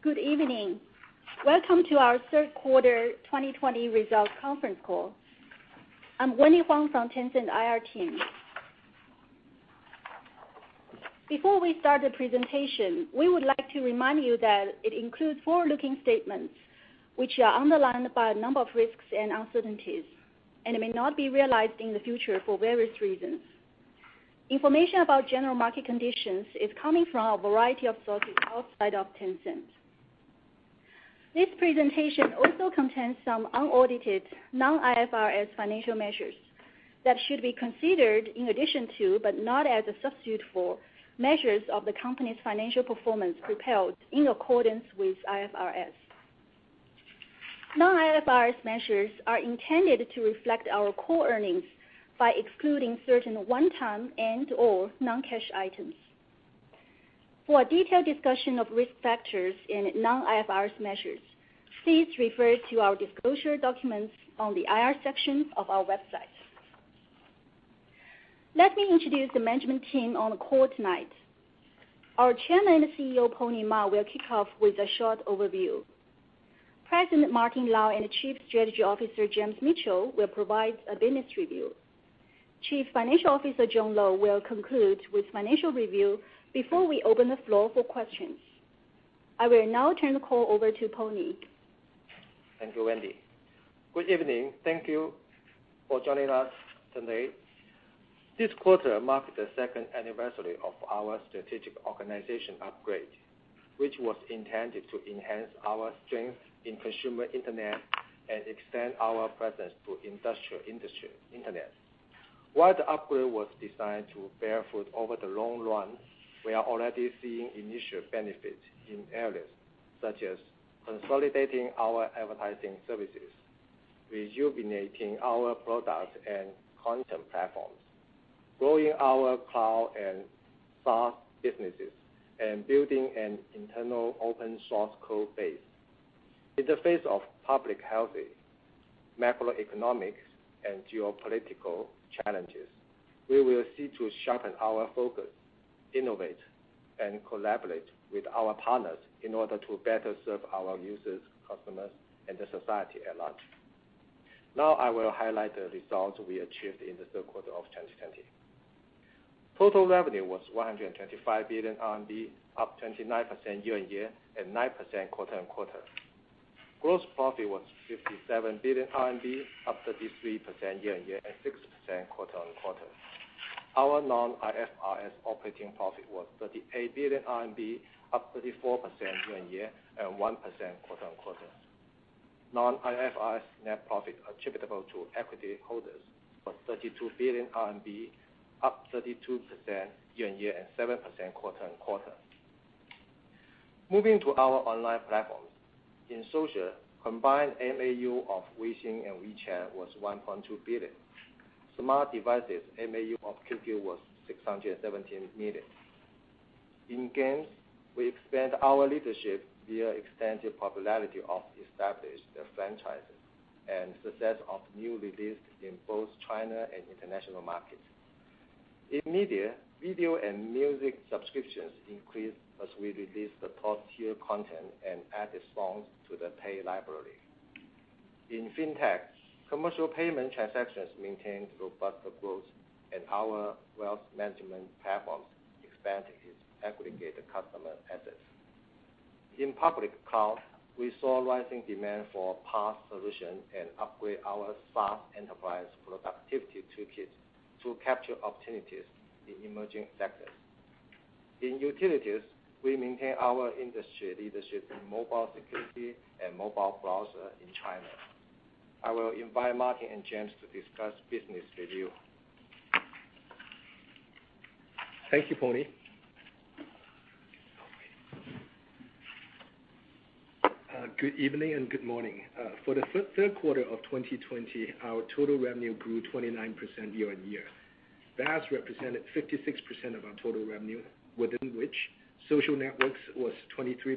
Good evening. Welcome to our third quarter 2020 results conference call. I'm Wendy Huang from Tencent IR team. Before we start the presentation, we would like to remind you that it includes forward-looking statements, which are underlined by a number of risks and uncertainties, and it may not be realized in the future for various reasons. Information about general market conditions is coming from a variety of sources outside of Tencent. This presentation also contains some unaudited, non-IFRS financial measures that should be considered in addition to, but not as a substitute for, measures of the company's financial performance prepared in accordance with IFRS. Non-IFRS measures are intended to reflect our core earnings by excluding certain one-time and/or non-cash items. For a detailed discussion of risk factors in non-IFRS measures, please refer to our disclosure documents on the IR section of our website. Let me introduce the management team on the call tonight. Our Chairman and CEO, Pony Ma, will kick off with a short overview. President Martin Lau and Chief Strategy Officer James Mitchell will provide a business review. Chief Financial Officer John Lo will conclude with financial review before we open the floor for questions. I will now turn the call over to Pony. Thank you, Wendy. Good evening. Thank you for joining us today. This quarter marks the second anniversary of our strategic organization upgrade, which was intended to enhance our strength in consumer internet and extend our presence to industrial internet. While the upgrade was designed to bear fruit over the long run, we are already seeing initial benefits in areas such as consolidating our advertising services, rejuvenating our product and content platforms, growing our cloud and SaaS businesses, and building an internal open-source code base. In the face of public health, macroeconomic, and geopolitical challenges, we will seek to sharpen our focus, innovate, and collaborate with our partners in order to better serve our users, customers, and the society at large. I will highlight the results we achieved in the third quarter of 2020. Total revenue was 125 billion RMB, up 29% year-on-year and 9% quarter-on-quarter. Gross profit was 57 billion RMB, up 33% year-on-year and 6% quarter-on-quarter. Our non-IFRS operating profit was 38 billion RMB, up 34% year-on-year and 1% quarter-on-quarter. Non-IFRS net profit attributable to equity holders was 32 billion RMB, up 32% year-on-year and 7% quarter-on-quarter. Moving to our online platforms. In social, combined MAU of Weixin and WeChat was 1.2 billion. Smart devices, MAU of QQ was 617 million. In games, we expand our leadership via extensive popularity of established franchises and success of new releases in both China and international markets. In media, video and music subscriptions increased as we released the top-tier content and added songs to the paid library. In fintech, commercial payment transactions maintained robust growth and our wealth management platforms expanded its aggregated customer assets. In public cloud, we saw rising demand for PaaS solutions and upgraded our SaaS enterprise productivity toolkit to capture opportunities in emerging sectors. In utilities, we maintain our industry leadership in mobile security and mobile browser in China. I will invite Martin and James to discuss business review. Thank you, Pony. Good evening and good morning. For the third quarter of 2020, our total revenue grew 29% year-on-year. VAS represented 56% of our total revenue, within which social networks was 23%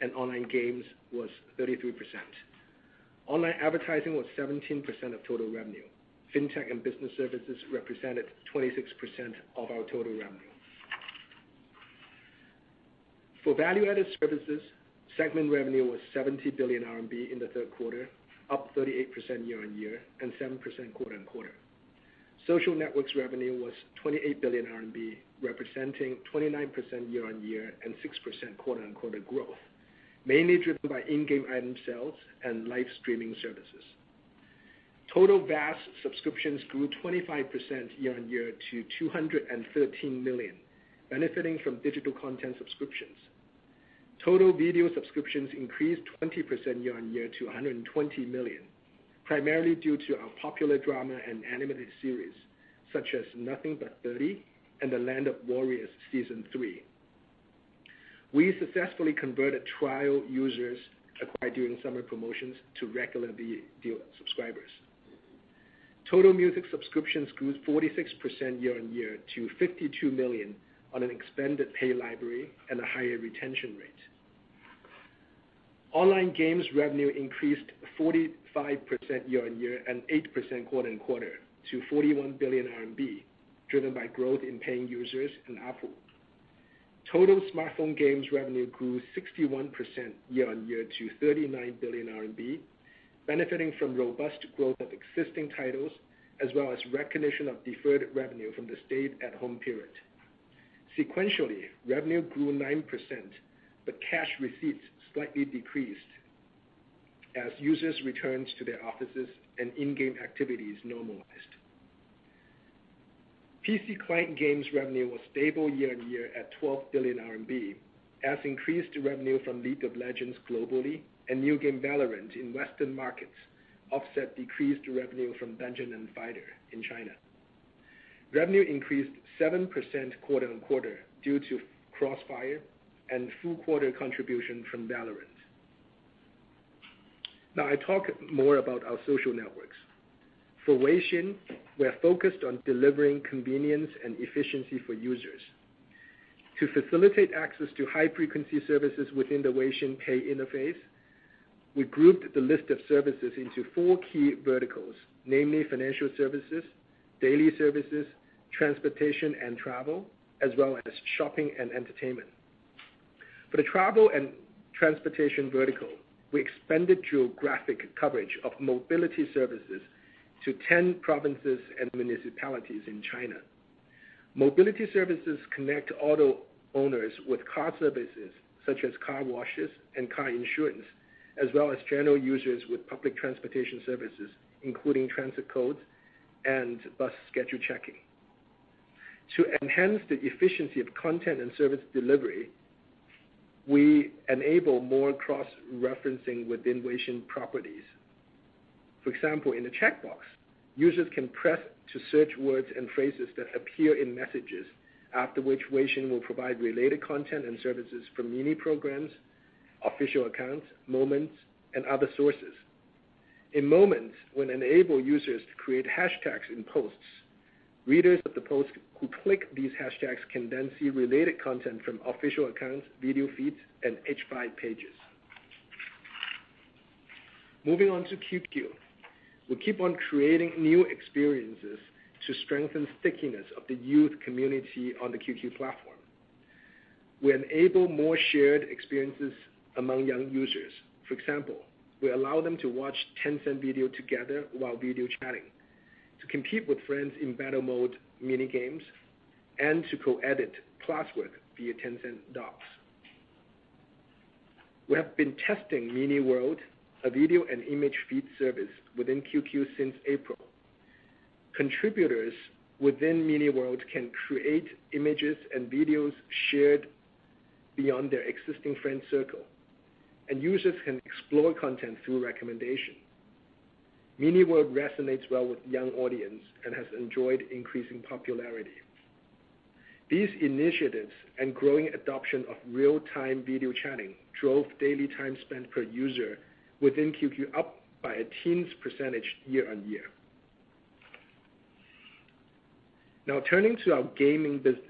and online games was 33%. Online advertising was 17% of total revenue. Fintech and business services represented 26% of our total revenue. For value-added services, segment revenue was 70 billion RMB in the third quarter, up 38% year-on-year and 7% quarter-on-quarter. Social networks revenue was 28 billion RMB, representing 29% year-on-year and 6% quarter-on-quarter growth, mainly driven by in-game item sales and live streaming services. Total VAS subscriptions grew 25% year-on-year to 213 million, benefiting from digital content subscriptions. Total video subscriptions increased 20% year-on-year to 120 million, primarily due to our popular drama and animated series such as "Nothing But Thirty" and "The Land of Warriors Season Three." We successfully converted trial users acquired during summer promotions to regular video subscribers. Total music subscriptions grew 46% year-on-year to 52 million on an expanded paid library and a higher retention rate. Online games revenue increased 45% year-on-year and 8% quarter-on-quarter to 41 billion RMB, driven by growth in paying users and ARPU. Total smartphone games revenue grew 61% year-on-year to 39 billion RMB, benefiting from robust growth of existing titles, as well as recognition of deferred revenue from the stay-at-home period. Sequentially, revenue grew 9%, cash receipts slightly decreased as users returned to their offices and in-game activities normalized. PC client games revenue was stable year-over-year at 12 billion RMB, as increased revenue from League of Legends globally and new game Valorant in Western markets offset decreased revenue from Dungeon & Fighter in China. Revenue increased 7% quarter-over-quarter due to CrossFire and full quarter contribution from Valorant. Now I talk more about our social networks. For Weixin, we are focused on delivering convenience and efficiency for users. To facilitate access to high-frequency services within the Weixin Pay interface, we grouped the list of services into four key verticals, namely financial services, daily services, transportation and travel, as well as shopping and entertainment. For the travel and transportation vertical, we expanded geographic coverage of mobility services to 10 provinces and municipalities in China. Mobility services connect auto owners with car services such as car washes and car insurance, as well as general users with public transportation services, including transit codes and bus schedule checking. To enhance the efficiency of content and service delivery, we enable more cross-referencing within Weixin properties. For example, in the chat box, users can press to search words and phrases that appear in messages, after which Weixin will provide related content and services from Mini Programs, official accounts, Moments, and other sources. In Moments, we enable users to create hashtags in posts. Readers of the post who click these hashtags can then see related content from official accounts, video feeds, and H5 pages. Moving on to QQ. We keep on creating new experiences to strengthen stickiness of the youth community on the QQ platform. We enable more shared experiences among young users. For example, we allow them to watch Tencent Video together while video chatting, to compete with friends in battle mode mini games, and to co-edit classwork via Tencent Docs. We have been testing Mini World, a video and image feed service within QQ since April. Contributors within Mini World can create images and videos shared beyond their existing friend circle, and users can explore content through recommendation. Mini World resonates well with young audience and has enjoyed increasing popularity. These initiatives and growing adoption of real-time video chatting drove daily time spent per user within QQ up by a teens% year-over-year. Now turning to our gaming business.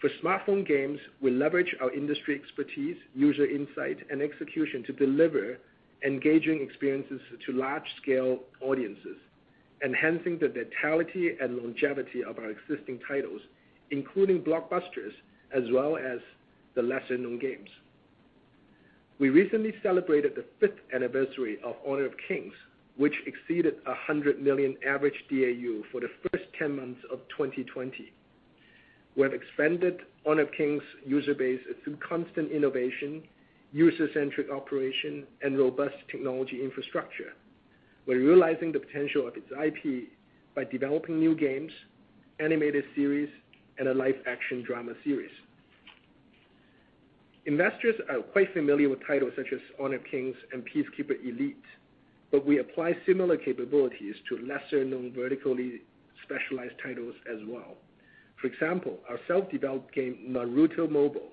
For smartphone games, we leverage our industry expertise, user insight, and execution to deliver engaging experiences to large-scale audiences, enhancing the vitality and longevity of our existing titles, including blockbusters as well as the lesser-known games. We recently celebrated the fifth anniversary of Honor of Kings, which exceeded 100 million average DAU for the first 10 months of 2020. We have expanded Honor of Kings' user base through constant innovation, user-centric operation, and robust technology infrastructure. We're realizing the potential of its IP by developing new games, animated series, and a live-action drama series. Investors are quite familiar with titles such as Honor of Kings and Peacekeeper Elite, but we apply similar capabilities to lesser-known vertically specialized titles as well. For example, our self-developed game, Naruto Mobile,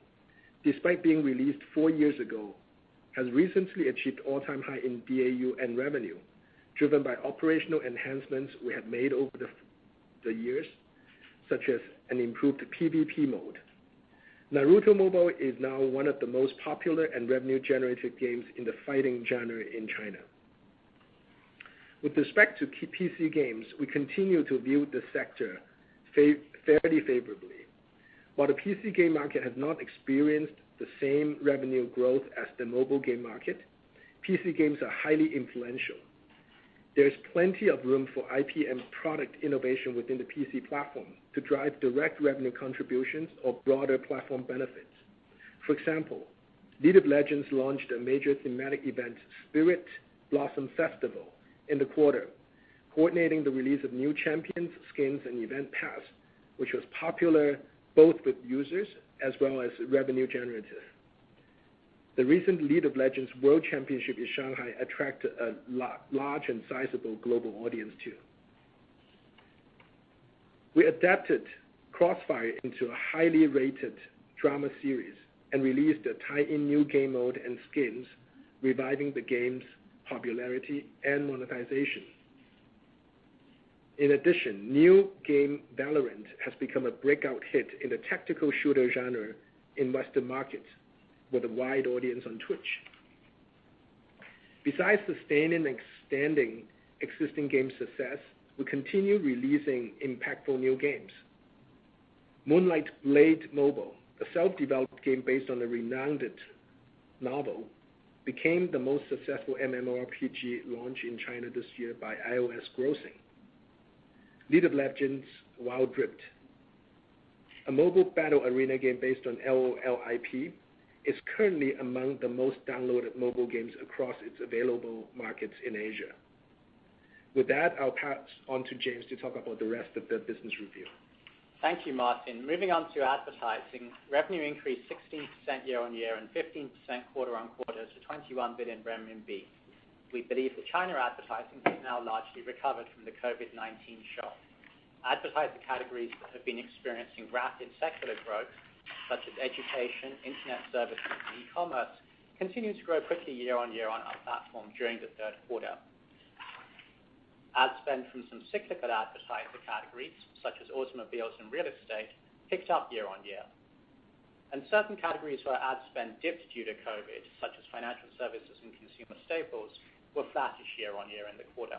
despite being released four years ago, has recently achieved all-time high in DAU and revenue, driven by operational enhancements we have made over the years, such as an improved PVP mode. Naruto Mobile is now one of the most popular and revenue-generating games in the fighting genre in China. With respect to PC games, we continue to view the sector fairly favorably. While the PC game market has not experienced the same revenue growth as the mobile game market, PC games are highly influential. There is plenty of room for IP and product innovation within the PC platform to drive direct revenue contributions or broader platform benefits. For example, League of Legends launched a major thematic event, Spirit Blossom Festival, in the quarter, coordinating the release of new champions, skins, and event pass, which was popular both with users as well as revenue generative. The recent League of Legends World Championship in Shanghai attracted a large and sizable global audience too. We adapted CrossFire into a highly rated drama series and released a tie-in new game mode and skins, reviving the game's popularity and monetization. In addition, new game, Valorant, has become a breakout hit in the tactical shooter genre in Western markets with a wide audience on Twitch. Besides sustaining and extending existing game success, we continue releasing impactful new games. Moonlight Blade Mobile, a self-developed game based on the renowned novel, became the most successful MMORPG launch in China this year by iOS grossing. League of Legends: Wild Rift, a mobile battle arena game based on LOL IP, is currently among the most downloaded mobile games across its available markets in Asia. With that, I'll pass on to James to talk about the rest of the business review. Thank you, Martin. Moving on to advertising, revenue increased 16% year-on-year and 15% quarter-on-quarter to 21 billion renminbi. We believe that China advertising has now largely recovered from the COVID-19 shock. Advertiser categories that have been experiencing rapid secular growth, such as education, internet services, and e-commerce, continued to grow quickly year-on-year on our platform during the third quarter. Ad spend from some cyclical advertiser categories, such as automobiles and real estate, picked up year-on-year. Certain categories where ad spend dipped due to COVID, such as financial services and consumer staples, were flattish year-on-year in the quarter.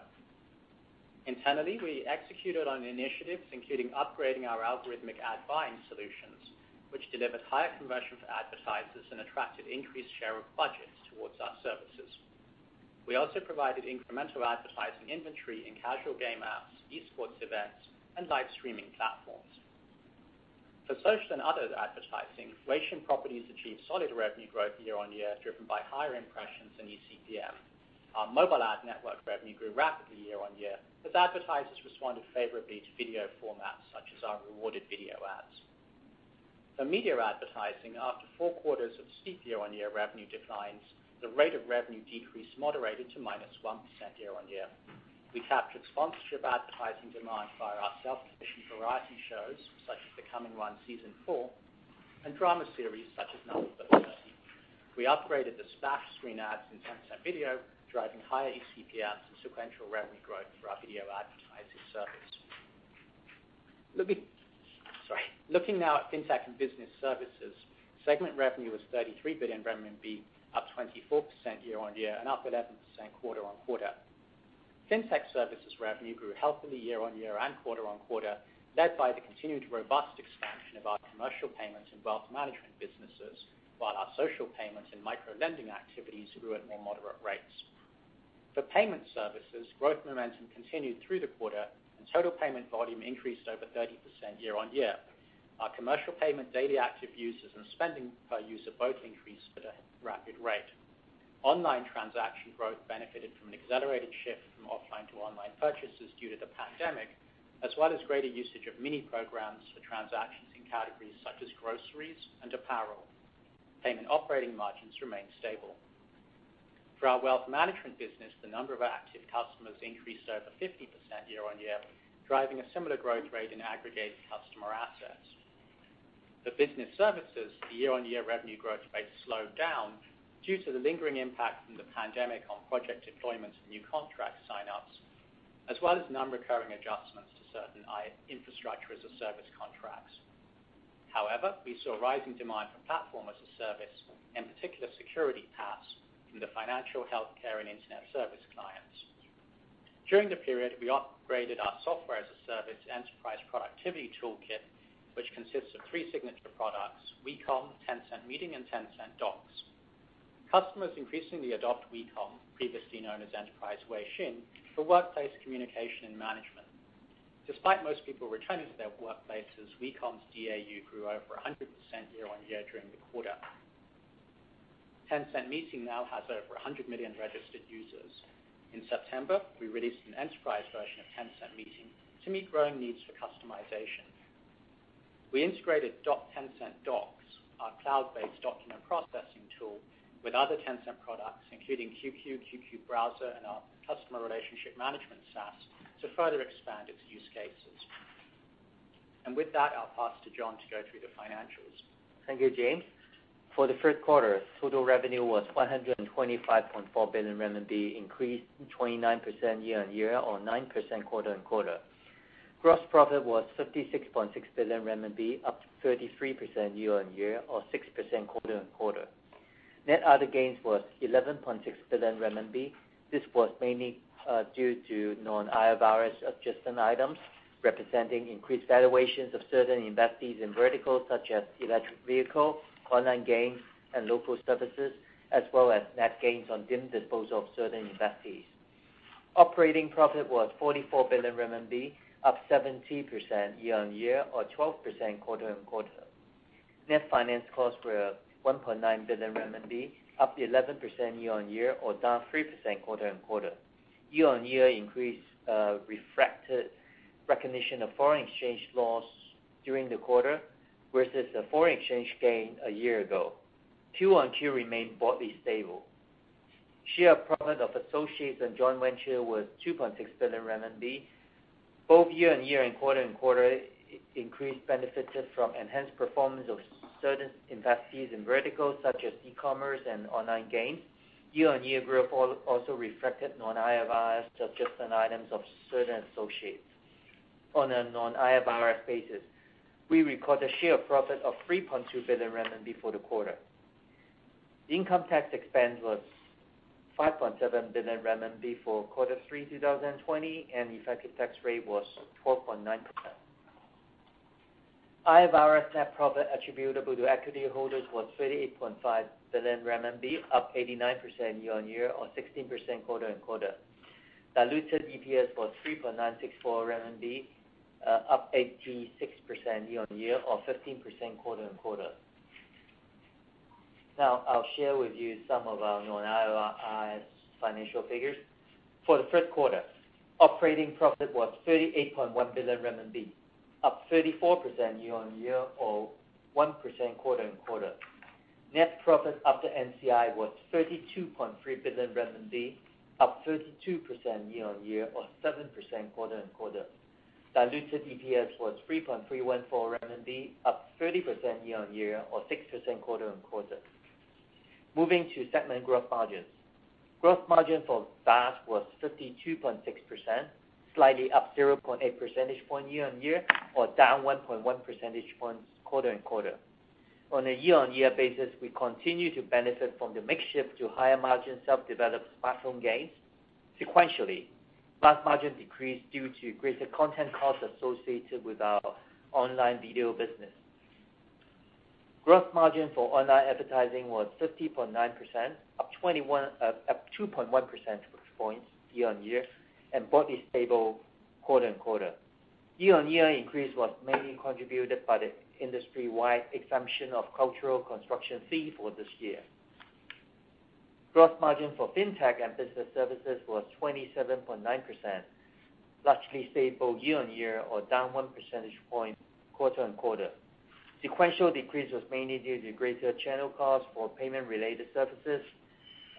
Internally, we executed on initiatives including upgrading our algorithmic ad buying solutions, which delivered higher conversion for advertisers and attracted increased share of budgets towards our services. We also provided incremental advertising inventory in casual game apps, esports events, and live streaming platforms. For social and other advertising, our properties achieved solid revenue growth year-on-year, driven by higher impressions than eCPM. Our mobile ad network revenue grew rapidly year-on-year as advertisers responded favorably to video formats such as our rewarded video ads. For media advertising, after four quarters of steep year-on-year revenue declines, the rate of revenue decrease moderated to -1% year-on-year. We captured sponsorship advertising demand via our self-commissioned variety shows, such as "The Coming One," season four, and drama series such as "Nothing But Thirty." We upgraded the splash screen ads in Tencent Video, driving higher eCPMs and sequential revenue growth for our video advertising service. Looking now at Fintech and business services, segment revenue was 33 billion renminbi, up 24% year-on-year and up 11% quarter-on-quarter. Fintech services revenue grew healthily year-on-year and quarter-on-quarter, led by the continued robust expansion of our commercial payments and wealth management businesses, while our social payments and micro-lending activities grew at more moderate rates. For payment services, growth momentum continued through the quarter and total payment volume increased over 30% year-on-year. Our commercial payment daily active users and spending per user both increased at a rapid rate. Online transaction growth benefited from an accelerated shift from offline to online purchases due to the pandemic, as well as greater usage of Mini Programs for transactions in categories such as groceries and apparel. Payment operating margins remained stable. For our wealth management business, the number of active customers increased over 50% year-on-year, driving a similar growth rate in aggregated customer assets. For business services, the year-on-year revenue growth rate slowed down due to the lingering impact from the pandemic on project deployments and new contract sign-ups, as well as non-recurring adjustments to certain Infrastructure as a Service contracts. However, we saw a rise in demand for Platform as a Service, in particular security PaaS from the financial, healthcare, and internet service clients. During the period, we upgraded our Software as a Service enterprise productivity toolkit, which consists of three signature products, WeCom, Tencent Meeting, and Tencent Docs. Customers increasingly adopt WeCom, previously known as Enterprise Weixin, for workplace communication and management. Despite most people returning to their workplaces, WeCom's DAU grew over 100% year-on-year during the quarter. Tencent Meeting now has over 100 million registered users. In September, we released an enterprise version of Tencent Meeting to meet growing needs for customization. We integrated Tencent Docs, our cloud-based document processing tool, with other Tencent products, including QQ Browser, and our customer relationship management SaaS to further expand its use cases. With that, I'll pass to John to go through the financials. Thank you, James. For the third quarter, total revenue was 125.4 billion RMB, increased 29% year-on-year or 9% quarter-on-quarter. Gross profit was 56.6 billion RMB, up 33% year-on-year or 6% quarter-on-quarter. Net other gains was 11.6 billion RMB. This was mainly due to non-IFRS adjustment items, representing increased valuations of certain investees in verticals such as electric vehicle, online games, and local services, as well as net gains on deemed disposal of certain investees. Operating profit was 44 billion RMB, up 17% year-on-year or 12% quarter-on-quarter. Net finance costs were 1.9 billion RMB, up 11% year-on-year or down 3% quarter-on-quarter. Year-on-year increase reflected recognition of foreign exchange loss during the quarter versus the foreign exchange gain a year ago. QoQ remained broadly stable. Share profit of associates and joint venture was 2.6 billion RMB. Both year-on-year and quarter-on-quarter increased benefits from enhanced performance of certain investees in verticals such as e-commerce and online games. Year-on-year growth also reflected non-IFRS adjustment items of certain associates. On a non-IFRS basis, we recorded a share profit of 3.2 billion renminbi for the quarter. The income tax expense was 5.7 billion renminbi for quarter three 2020. Effective tax rate was 12.9%. IFRS net profit attributable to equity holders was 38.5 billion RMB, up 89% year-on-year or 16% quarter-on-quarter. Diluted EPS was 3.964 RMB, up 86% year-on-year or 15% quarter-on-quarter. Now I'll share with you some of our non-IFRS financial figures. For the third quarter, operating profit was 38.1 billion RMB, up 34% year-on-year or 1% quarter-on-quarter. Net profit after NCI was 32.3 billion renminbi, up 32% year-on-year or 7% quarter-on-quarter. Diluted EPS was 3.314 renminbi, up 30% year-on-year or 6% quarter-on-quarter. Moving to segment gross margins. Gross margin for VAS was 52.6%, slightly up 0.8 percentage point year-on-year or down 1.1 percentage points quarter-on-quarter. On a year-on-year basis, we continue to benefit from the mix shift to higher margin self-developed platform gains. Sequentially, VAS margin decreased due to greater content costs associated with our online video business. Gross margin for online advertising was 50.9%, up 2.1 percentage points year-on-year and broadly stable quarter-on-quarter. Year-on-year increase was mainly contributed by the industry-wide exemption of cultural construction fee for this year. Gross margin for fintech and business services was 27.9%, largely stable year-on-year or down one percentage point quarter-on-quarter. Sequential decrease was mainly due to greater channel costs for payment-related services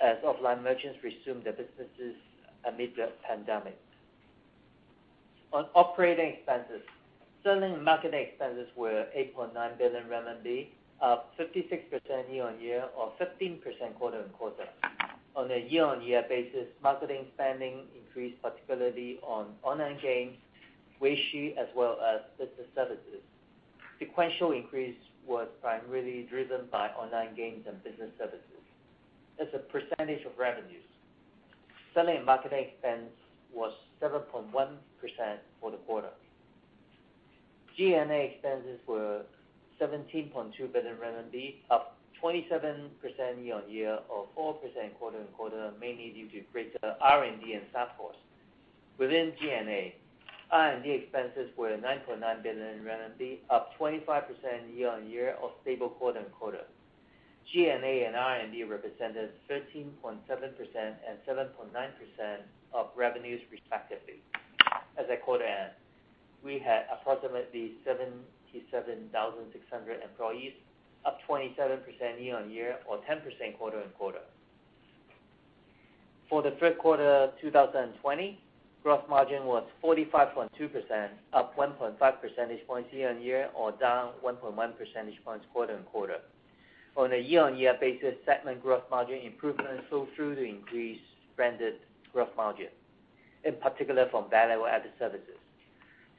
as offline merchants resumed their businesses amid the pandemic. On operating expenses, selling and marketing expenses were 8.9 billion RMB, up 56% year-on-year or 15% quarter-on-quarter. On a year-on-year basis, marketing spending increased, particularly on online games, Weixin, as well as business services. Sequential increase was primarily driven by online games and business services. As a percentage of revenues, selling and marketing expense was 7.1% for the quarter. G&A expenses were 17.2 billion RMB, up 27% year-on-year or 4% quarter-on-quarter, mainly due to greater R&D and staff costs. Within G&A, R&D expenses were 9.9 billion RMB, up 25% year-on-year or stable quarter-on-quarter. G&A and R&D represented 13.7% and 7.9% of revenues respectively. As at quarter end, we had approximately 77,600 employees, up 27% year-on-year or 10% quarter-on-quarter. For the third quarter 2020, gross margin was 45.2%, up 1.5 percentage points year-on-year or down 1.1 percentage points quarter-on-quarter. On a year-on-year basis, segment gross margin improvement flowed through to increased blended gross margin, in particular from value-added services.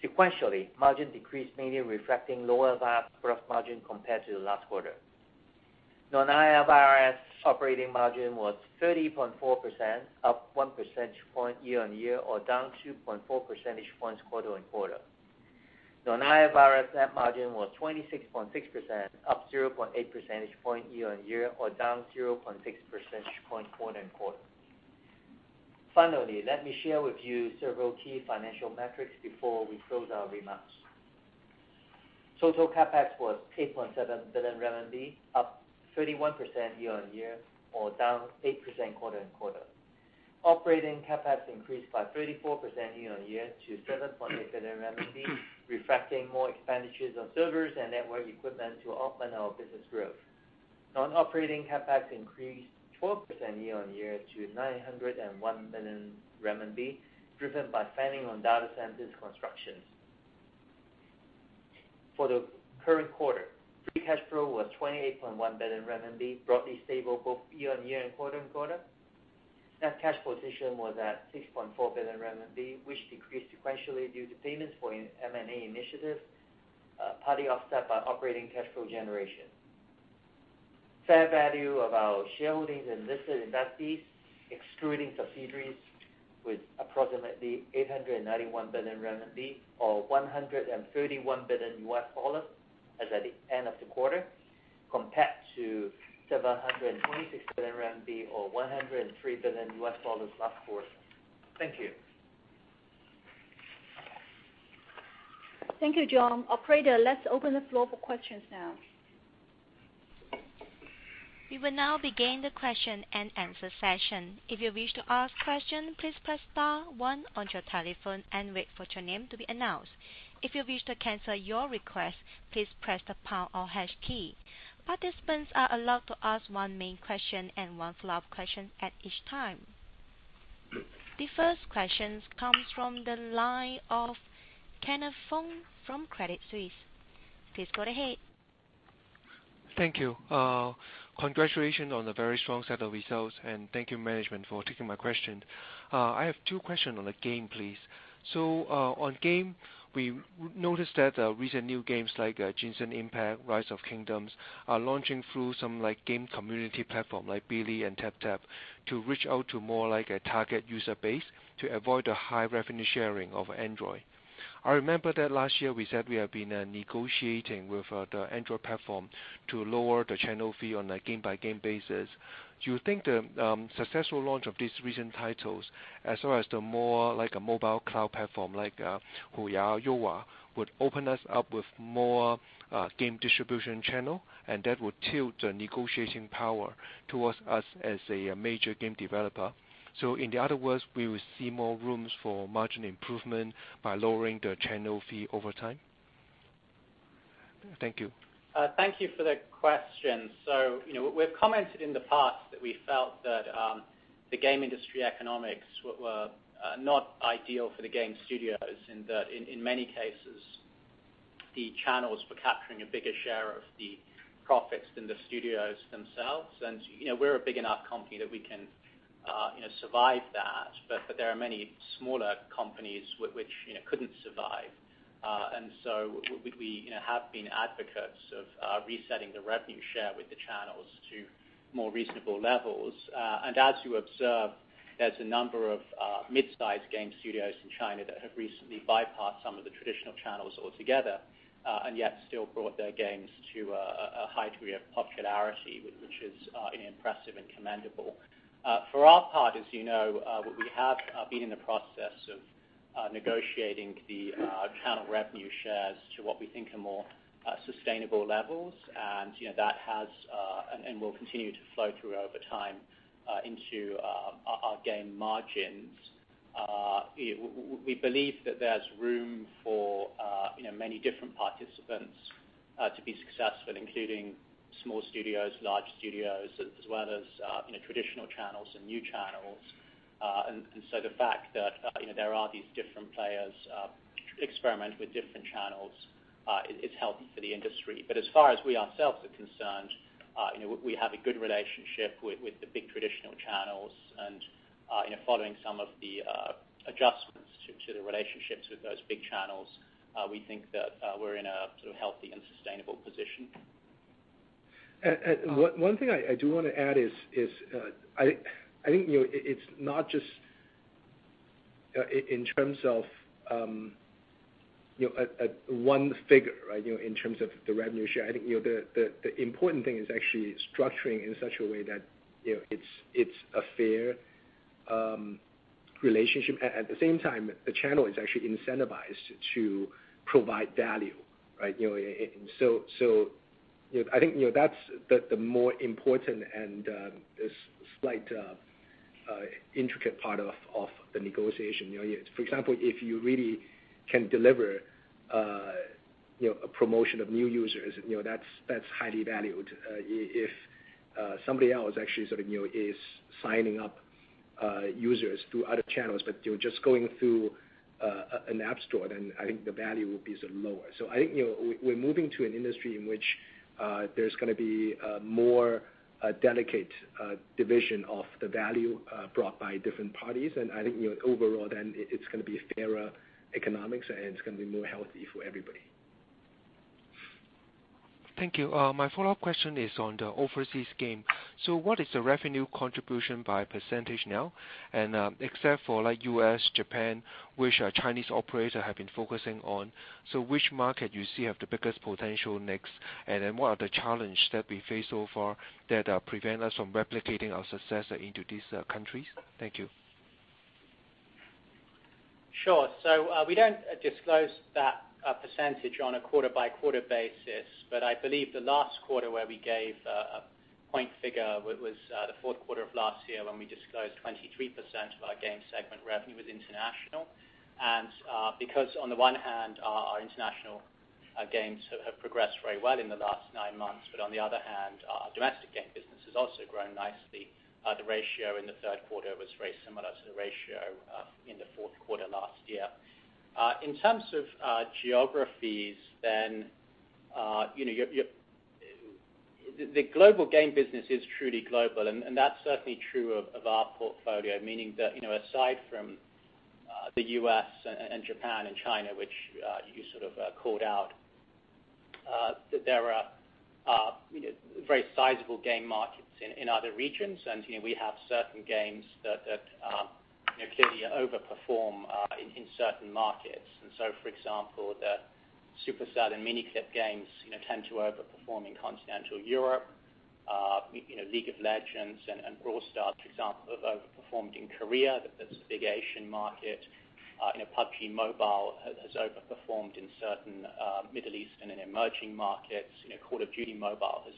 Sequentially, margin decreased mainly reflecting lower VAS gross margin compared to the last quarter. Non-IFRS operating margin was 30.4%, up 1 percentage point year-on-year or down 2.4 percentage points quarter-on-quarter. Non-IFRS net margin was 26.6%, up 0.8 percentage point year-on-year or down 0.6 percentage point quarter-on-quarter. Finally, let me share with you several key financial metrics before we close our remarks. Total CapEx was 8.7 billion RMB, up 31% year-on-year or down 8% quarter-on-quarter. Operating CapEx increased by 34% year-on-year to 7.8 billion RMB, reflecting more expenditures on servers and network equipment to underpin our business growth. Non-operating CapEx increased 12% year-on-year to 901 million RMB, driven by spending on data centers constructions. For the current quarter, free cash flow was 28.1 billion RMB, broadly stable both year-on-year and quarter-on-quarter. Net cash position was at 6.4 billion RMB, which decreased sequentially due to payments for M&A initiatives, partly offset by operating cash flow generation. Fair value of our shareholdings and listed investees, excluding subsidiaries, was approximately 891 billion or $131 billion as at the end of the quarter, compared to 726 billion RMB or $103 billion last quarter. Thank you. Thank you, John. Operator, let's open the floor for questions now. We will now begin the question-and-answer session. If you wish to ask question, please press star one on your telephone and wait for your name to be announced. If you wish to cancel your request, please press the pound or hash key. Participants are allowed to ask one main question and one follow-up question at each time. The first question comes from the line of Kenneth Fong from Credit Suisse. Please go ahead. Thank you. Congratulations on the very strong set of results, and thank you, management, for taking my question. I have two questions on the game, please. On game, we noticed that recent new games like Genshin Impact, Rise of Kingdoms are launching through some game community platform like Bilibili and TapTap to reach out to more target user base to avoid the high revenue sharing of Android. I remember that last year we said we have been negotiating with the Android platform to lower the channel fee on a game-by-game basis. Do you think the successful launch of these recent titles, as well as the more mobile cloud platform like Huya, Yowa, would open us up with more game distribution channel, and that would tilt the negotiating power towards us as a major game developer? In other words, we will see more rooms for margin improvement by lowering the channel fee over time. Thank you. Thank you for the question. We've commented in the past that we felt that the game industry economics were not ideal for the game studios, and that in many cases, the channels were capturing a bigger share of the profits than the studios themselves. We're a big enough company that we can survive that, but there are many smaller companies which couldn't survive. We have been advocates of resetting the revenue share with the channels to more reasonable levels. As you observed, there's a number of mid-size game studios in China that have recently bypassed some of the traditional channels altogether, and yet still brought their games to a high degree of popularity, which is impressive and commendable. For our part, as you know, we have been in the process of negotiating the channel revenue shares to what we think are more sustainable levels. That has, and will continue to flow through over time into our game margins. We believe that there's room for many different participants to be successful, including small studios, large studios, as well as traditional channels and new channels. The fact that there are these different players experimenting with different channels is healthy for the industry. As far as we ourselves are concerned, we have a good relationship with the big traditional channels. Following some of the adjustments to the relationships with those big channels, we think that we're in a healthy and sustainable position. One thing I do want to add is, I think it's not just in terms of one figure, in terms of the revenue share. I think the important thing is actually structuring in such a way that it's a fair relationship. At the same time, the channel is actually incentivized to provide value. I think that's the more important and slight intricate part of the negotiation. For example, if you really can deliver a promotion of new users, that's highly valued. If somebody else actually sort of is signing up users through other channels, but they were just going through an app store, then I think the value would be lower. I think we're moving to an industry in which there's going to be a more delicate division of the value brought by different parties. I think, overall then, it's going to be fairer economics, and it's going to be more healthy for everybody. Thank you. My follow-up question is on the overseas game. What is the revenue contribution by percentage now? Except for U.S., Japan, which our Chinese operator have been focusing on, which market you see have the biggest potential next? What are the challenge that we face so far that prevent us from replicating our success into these countries? Thank you. Sure. We don't disclose that percentage on a quarter-by-quarter basis, but I believe the last quarter where we gave a point figure was the fourth quarter of last year, when we disclosed 23% of our game segment revenue with international. Because on the one hand, our international games have progressed very well in the last nine months, but on the other hand, our domestic game business has also grown nicely. The ratio in the third quarter was very similar to the ratio in the fourth quarter last year. In terms of geographies, the global game business is truly global, and that's certainly true of our portfolio. Meaning that aside from the U.S. and Japan and China, which you sort of called out, that there are very sizable game markets in other regions, and we have certain games that clearly over-perform in certain markets. For example, the Supercell and Miniclip games tend to over-perform in Continental Europe. League of Legends and Brawl Stars, for example, have over-performed in Korea, that's a big Asian market. PUBG Mobile has over-performed in certain Middle East and in emerging markets. Call of Duty: Mobile has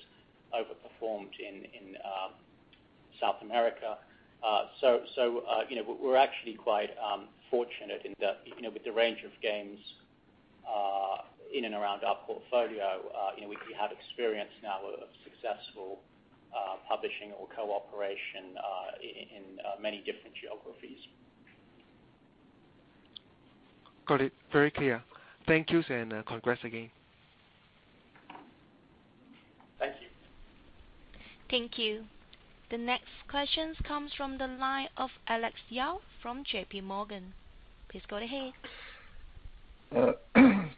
over-performed in South America. We're actually quite fortunate in that with the range of games in and around our portfolio, we have experience now of successful publishing or cooperation in many different geographies. Got it. Very clear. Thank you, and congrats again. Thank you. Thank you. The next questions comes from the line of Alex Yao from JPMorgan. Please go ahead.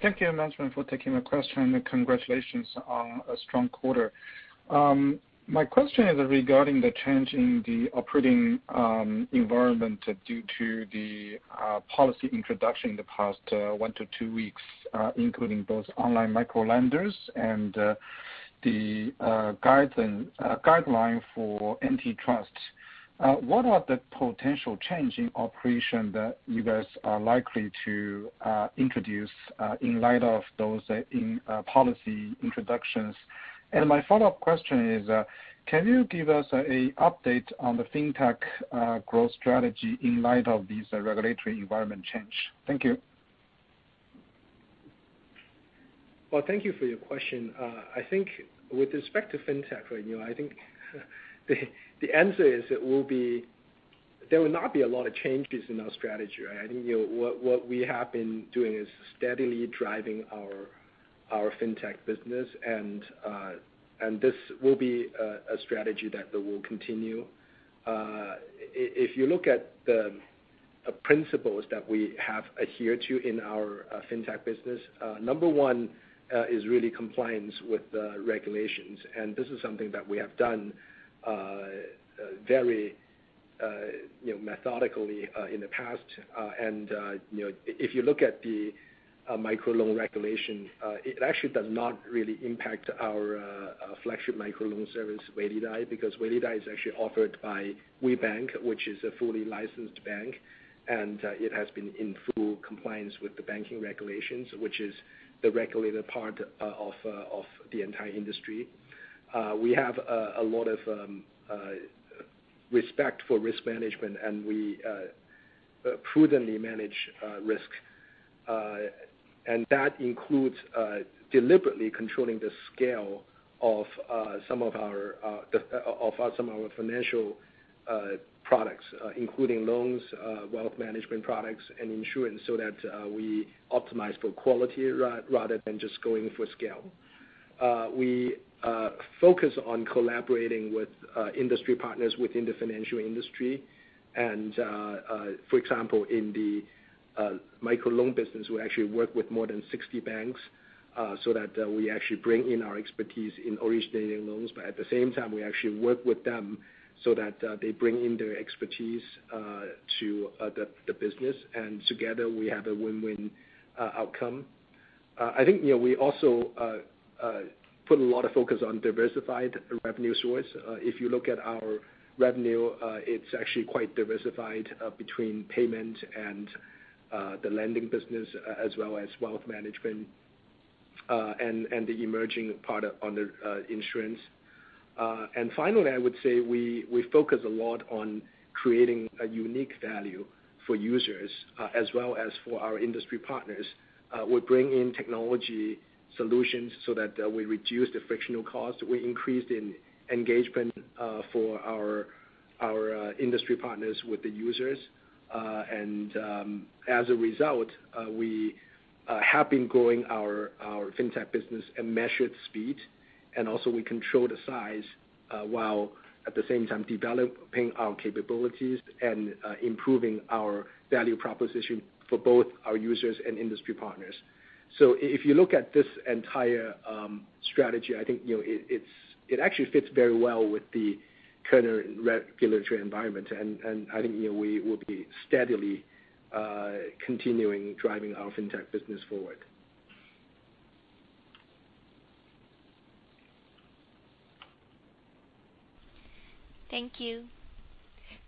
Thank you, management, for taking my question, and congratulations on a strong quarter. My question is regarding the change in the operating environment due to the policy introduction in the past one to two weeks, including both online micro-lenders and the guideline for anti-trust. What are the potential change in operation that you guys are likely to introduce in light of those policy introductions? My follow-up question is, can you give us an update on the fintech growth strategy in light of this regulatory environment change? Thank you. Well, thank you for your question. I think with respect to fintech right now, I think the answer is there will not be a lot of changes in our strategy, right? What we have been doing is steadily driving our fintech business and this will be a strategy that will continue. If you look at the principles that we have adhered to in our fintech business, number one is really compliance with the regulations, and this is something that we have done very methodically in the past. If you look at the micro-loan regulation, it actually does not really impact our flagship micro-loan service, Weilidai, because Weilidai is actually offered by WeBank, which is a fully licensed bank. It has been in full compliance with the banking regulations, which is the regulated part of the entire industry. We have a lot of respect for risk management, we prudently manage risk. That includes deliberately controlling the scale of some of our financial products, including loans, wealth management products, and insurance, so that we optimize for quality rather than just going for scale. We focus on collaborating with industry partners within the financial industry. For example, in the micro-loan business, we actually work with more than 60 banks so that we actually bring in our expertise in originating loans. At the same time, we actually work with them so that they bring in their expertise to the business, and together we have a win-win outcome. I think we also put a lot of focus on diversified revenue source. If you look at our revenue, it's actually quite diversified between payment and the lending business, as well as wealth management, and the emerging part on the insurance. Finally, I would say we focus a lot on creating a unique value for users as well as for our industry partners. We bring in technology solutions so that we reduce the frictional cost. We increased in engagement for our industry partners with the users. As a result, we have been growing our fintech business at measured speed. Also we control the size while at the same time developing our capabilities and improving our value proposition for both our users and industry partners. If you look at this entire strategy, I think it actually fits very well with the current regulatory environment. I think we will be steadily continuing driving our fintech business forward. Thank you.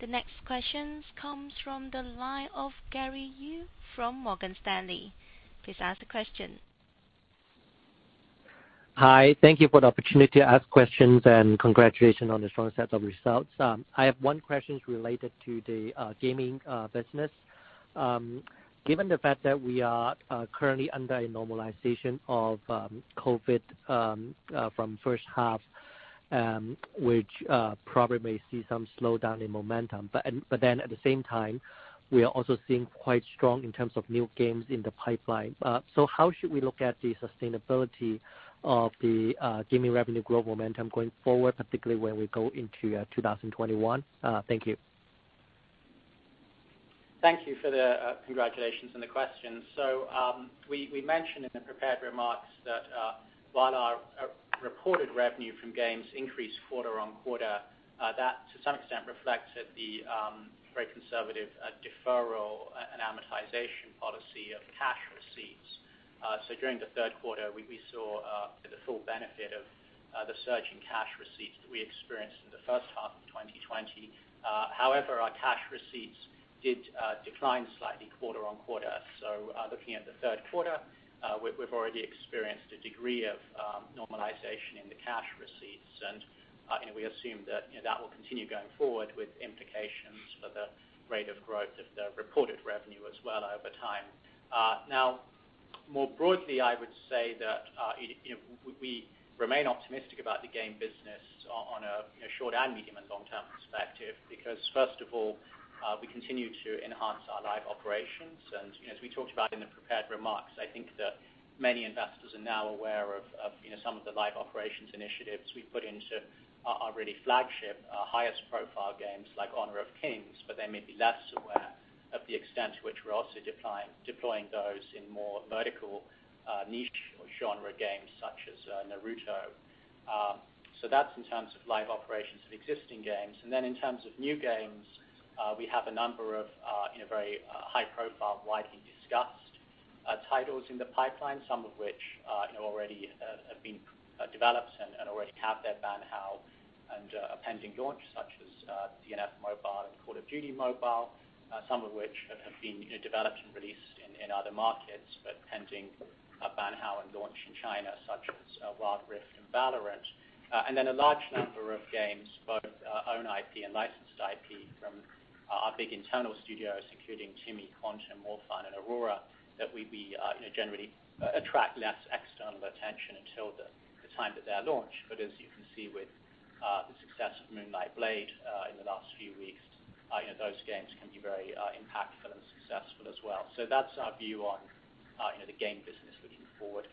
The next questions comes from the line of Gary Yu from Morgan Stanley. Please ask the question. Hi. Thank you for the opportunity to ask questions, and congratulations on the strong set of results. I have one question related to the gaming business. Given the fact that we are currently under a normalization of COVID-19 from first half, which probably may see some slowdown in momentum. At the same time, we are also seeing quite strong in terms of new games in the pipeline. How should we look at the sustainability of the gaming revenue growth momentum going forward, particularly when we go into 2021? Thank you. Thank you for the congratulations and the question. We mentioned in the prepared remarks that while our reported revenue from games increased quarter-on-quarter, that to some extent reflected the very conservative deferral and amortization policy of cash receipts. During the third quarter, we saw the full benefit of the surge in cash receipts that we experienced in the first half of 2020. However, our cash receipts did decline slightly quarter-on-quarter. Looking at the third quarter, we've already experienced a degree of normalization in the cash receipts. We assume that will continue going forward with implications for the rate of growth Reported revenue as well over time. More broadly, I would say that we remain optimistic about the game business on a short and medium and long-term perspective because first of all, we continue to enhance our live operations. As we talked about in the prepared remarks, I think that many investors are now aware of some of the live operations initiatives we put into our really flagship, highest profile games like Honor of Kings, but they may be less aware of the extent to which we're also deploying those in more vertical niche or genre games such as Naruto. That's in terms of live operations of existing games. In terms of new games, we have a number of very high profile, widely discussed titles in the pipeline, some of which already have been developed and already have their Bǎn Hào and a pending launch, such as DNF Mobile and Call of Duty: Mobile, some of which have been developed and released in other markets but pending a Bǎn Hào and launch in China, such as Wild Rift and Valorant. A large number of games, both our own IP and licensed IP from our big internal studios, including TiMi, Quantum, Morefun, and Aurora, that would generally attract less external attention until the time that they're launched. As you can see with the success of Moonlight Blade in the last few weeks, those games can be very impactful and successful as well. That's our view on the game business looking forward.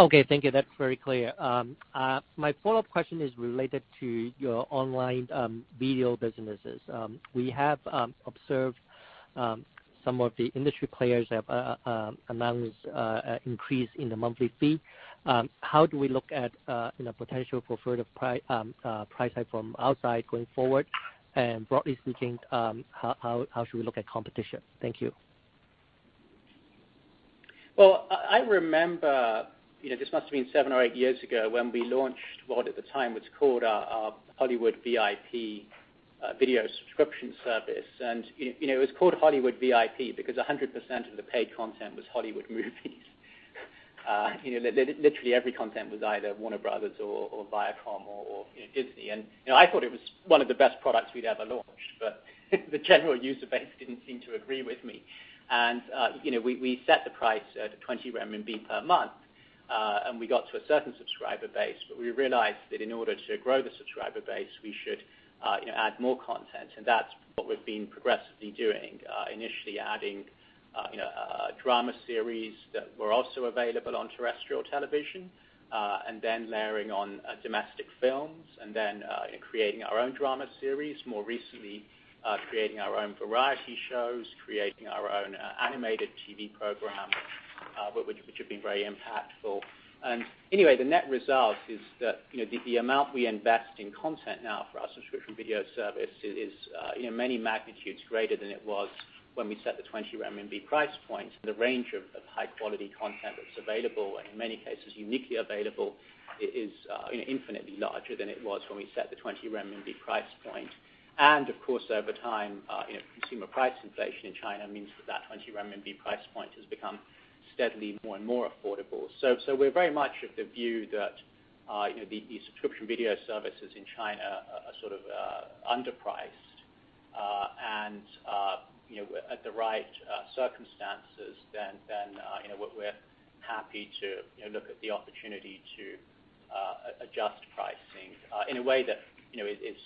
Okay, thank you. That's very clear. My follow-up question is related to your online video businesses. We have observed some of the industry players have announced an increase in the monthly fee. How do we look at the potential for further price hike from outside going forward? Broadly speaking, how should we look at competition? Thank you. Well, I remember, this must have been seven or eight years ago, when we launched what at the time was called our Hollywood VIP video subscription service. It was called Hollywood VIP because 100% of the paid content was Hollywood movies. Literally every content was either Warner Bros. or Viacom or Disney. I thought it was one of the best products we'd ever launched, but the general user base didn't seem to agree with me. We set the price at 20 renminbi per month, and we got to a certain subscriber base, but we realized that in order to grow the subscriber base, we should add more content. That's what we've been progressively doing. Initially adding drama series that were also available on terrestrial television, and then layering on domestic films, and then creating our own drama series. More recently, creating our own variety shows, creating our own animated TV program, which have been very impactful. Anyway, the net result is that the amount we invest in content now for our subscription video service is many magnitudes greater than it was when we set the 20 RMB price point. The range of high-quality content that's available, and in many cases, uniquely available, is infinitely larger than it was when we set the 20 renminbi price point. Of course, over time, consumer price inflation in China means that that 20 RMB price point has become steadily more and more affordable. We're very much of the view that the subscription video services in China are sort of underpriced. At the right circumstances, then we're happy to look at the opportunity to adjust pricing in a way that is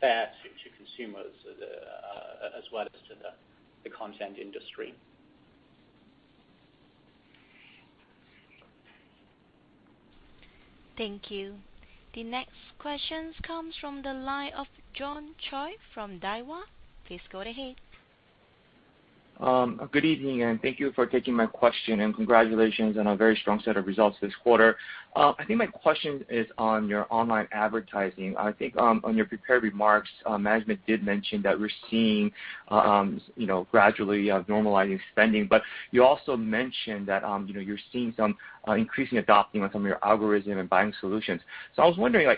fair to consumers as well as to the content industry. Thank you. The next question comes from the line of John Choi from Daiwa. Please go ahead. Good evening. Thank you for taking my question. Congratulations on a very strong set of results this quarter. My question is on your online advertising. On your prepared remarks, management did mention that we're seeing gradually normalizing spending. You also mentioned that you're seeing some increasing adoption of some of your algorithm and buying solutions. I was wondering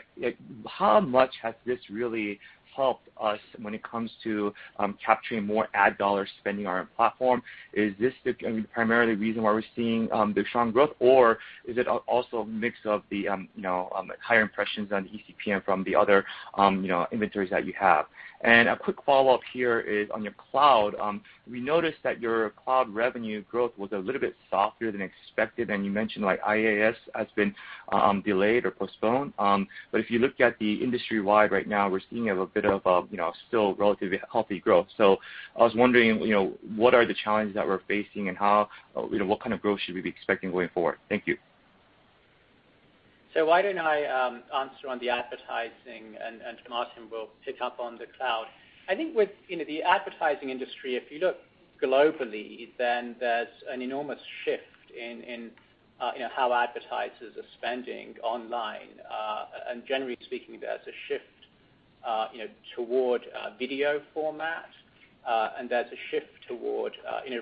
how much has this really helped us when it comes to capturing more ad dollars spending on our platform? Is this the primary reason why we're seeing the strong growth, or is it also a mix of the higher impressions on eCPM from the other inventories that you have? A quick follow-up here is on your cloud. We noticed that your cloud revenue growth was a little bit softer than expected. You mentioned IaaS has been delayed or postponed. If you look at the industry-wide right now, we're seeing a bit of a still relatively healthy growth. I was wondering what are the challenges that we're facing and what kind of growth should we be expecting going forward? Thank you. Why don't I answer on the advertising, and Dowson will pick up on the cloud. I think with the advertising industry, if you look globally, there's an enormous shift in how advertisers are spending online. Generally speaking, there's a shift toward video format, and there's a shift toward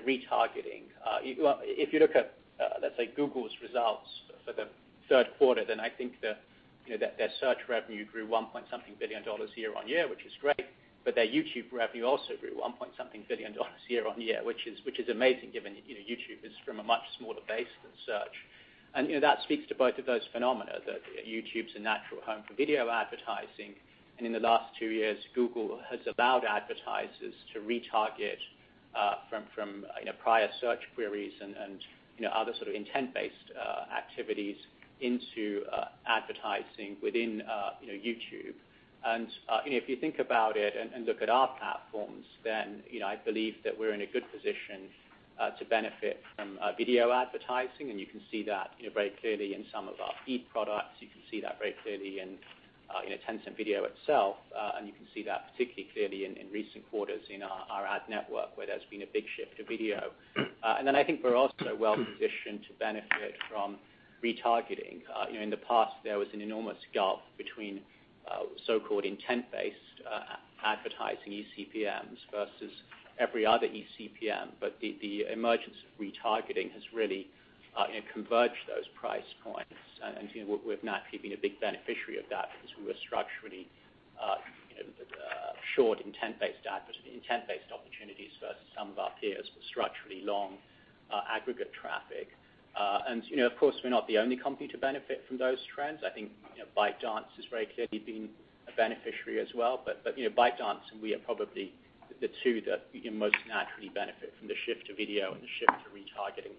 retargeting. If you look at, let's say, Google's results for the third quarter, then I think their search revenue grew one point something billion year-on-year, which is great. Their YouTube revenue also grew one point something billion year-on-year, which is amazing given YouTube is from a much smaller base than search. That speaks to both of those phenomena, that YouTube's a natural home for video advertising. In the last two years, Google has allowed advertisers to retarget from prior search queries and other sort of intent-based activities into advertising within YouTube. If you think about it and look at our platforms, then I believe that we're in a good position to benefit from video advertising. You can see that very clearly in some of our feed products. You can see that very clearly in Tencent Video itself. You can see that particularly clearly in recent quarters in our ad network, where there's been a big shift to video. Then I think we're also well-positioned to benefit from retargeting. In the past, there was an enormous gulf between so-called intent-based advertising, eCPMs, versus every other eCPM. The emergence of retargeting has really converged those price points. We've not been a big beneficiary of that because we were structurally short intent-based advertising, intent-based opportunities versus some of our peers structurally long aggregate traffic. Of course, we're not the only company to benefit from those trends. I think ByteDance has very clearly been a beneficiary as well. ByteDance and we are probably the two that most naturally benefit from the shift to video and the shift to retargeting.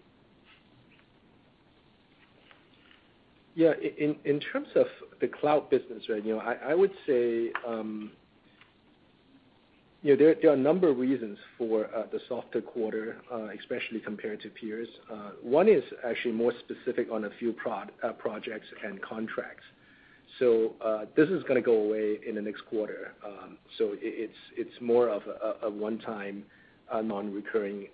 Yeah. In terms of the cloud business right now, I would say there are a number of reasons for the softer quarter, especially compared to peers. One is actually more specific on a few projects and contracts. This is going to go away in the next quarter. It's more of a one-time, non-recurring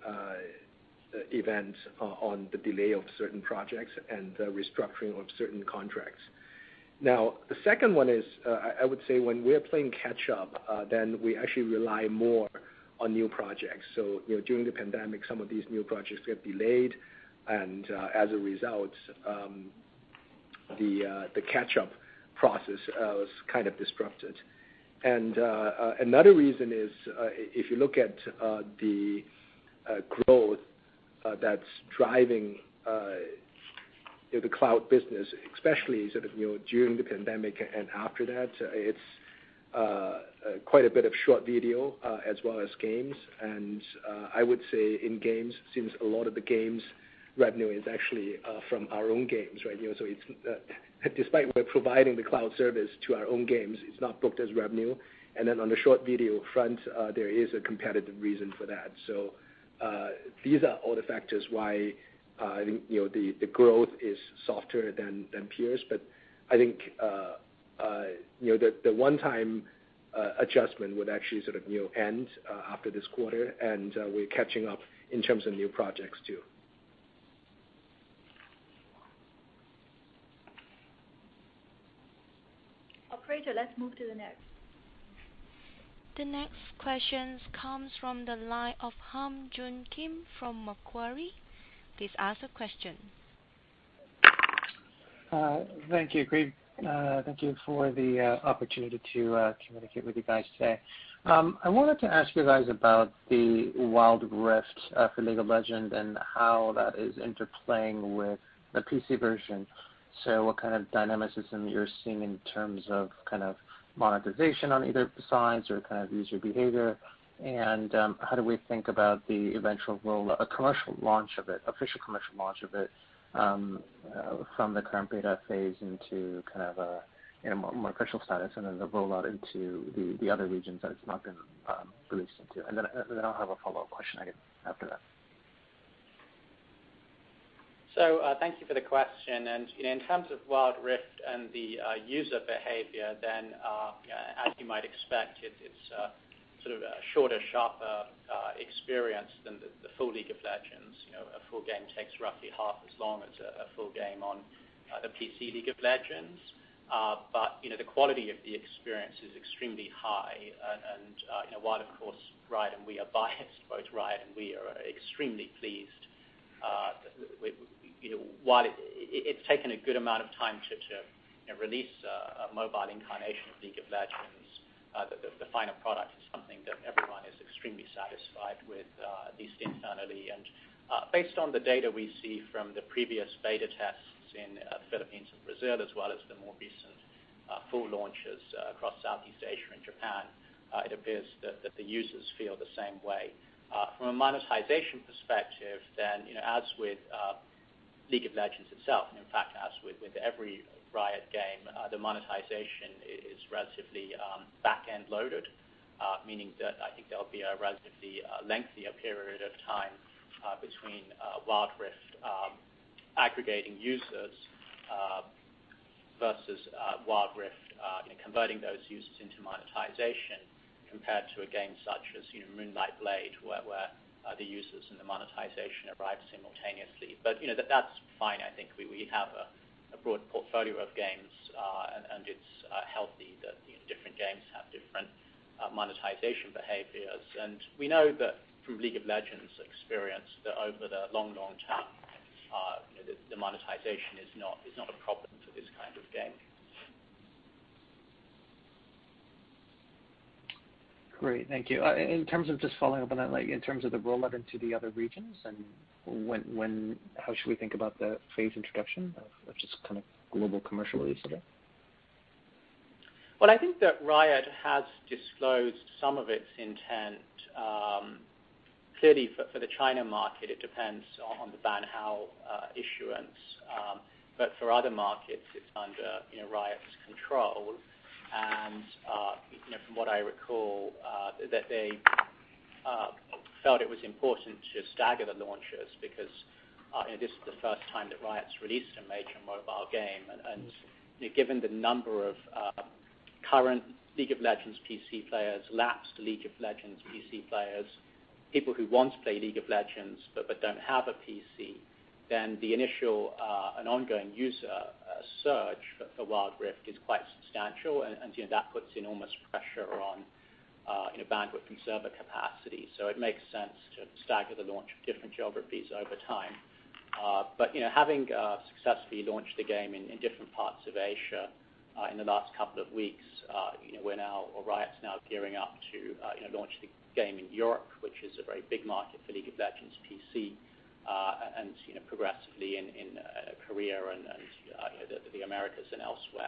event on the delay of certain projects and the restructuring of certain contracts. The second one is, I would say when we're playing catch up, we actually rely more on new projects. During the pandemic, some of these new projects get delayed, and as a result, the catch-up process was kind of disrupted. Another reason is, if you look at the growth that's driving the cloud business, especially during the pandemic and after that, it's quite a bit of short video as well as games. I would say in games, since a lot of the games revenue is actually from our own games, right. Despite we're providing the cloud service to our own games, it's not booked as revenue. On the short video front, there is a competitive reason for that. These are all the factors why I think the growth is softer than peers. I think the one time adjustment would actually sort of end after this quarter. We're catching up in terms of new projects, too. Operator, let's move to the next. The next questions comes from the line of Hyunwoo Kim from Macquarie. Please ask the question. Thank you. Great. Thank you for the opportunity to communicate with you guys today. I wanted to ask you guys about the Wild Rift for League of Legends and how that is interplaying with the PC version. What kind of dynamicism you're seeing in terms of kind of monetization on either sides or kind of user behavior, and how do we think about the eventual role, a commercial launch of it, official commercial launch of it from the current beta phase into a more commercial status and then the rollout into the other regions that it's not been released into? I'll have a follow-up question after that. Thank you for the question. In terms of Wild Rift and the user behavior, then as you might expect, it's sort of a shorter, sharper experience than the full League of Legends. A full game takes roughly half as long as a full game on the PC League of Legends. The quality of the experience is extremely high. While, of course, Riot and we are biased, both Riot and we are extremely pleased. While it's taken a good amount of time to release a mobile incarnation of League of Legends, the final product is something that everyone is extremely satisfied with, at least internally. Based on the data we see from the previous beta tests in Philippines and Brazil, as well as the more recent full launches across Southeast Asia and Japan, it appears that the users feel the same way. From a monetization perspective, as with League of Legends itself, and in fact, as with every Riot Games, the monetization is relatively back-end loaded. Meaning that I think there'll be a relatively lengthier period of time between Wild Rift aggregating users versus Wild Rift converting those users into monetization compared to a game such as Moonlight Blade, where the users and the monetization arrive simultaneously. That's fine. I think we have a broad portfolio of games, and it's healthy that different games have different monetization behaviors. We know that from League of Legends experience that over the long, long term, the monetization is not a problem for this kind of game. Great. Thank you. In terms of just following up on that, in terms of the rollout into the other regions, how should we think about the phase introduction of just kind of global commercial release today? I think that Riot has disclosed some of its intent. Clearly, for the China market, it depends on the Bǎn Hào issuance, but for other markets, it's under Riot's control. From what I recall, that they felt it was important to stagger the launches because this is the first time that Riot's released a major mobile game. Given the number of current League of Legends PC players, lapsed League of Legends PC players, people who want to play League of Legends but don't have a PC, then the initial and ongoing user surge for Wild Rift is quite substantial, and that puts enormous pressure on bandwidth and server capacity. It makes sense to stagger the launch in different geographies over time. Having successfully launched the game in different parts of Asia in the last couple of weeks, Riot's now gearing up to launch the game in Europe, which is a very big market for League of Legends PC, and progressively in Korea and the Americas and elsewhere.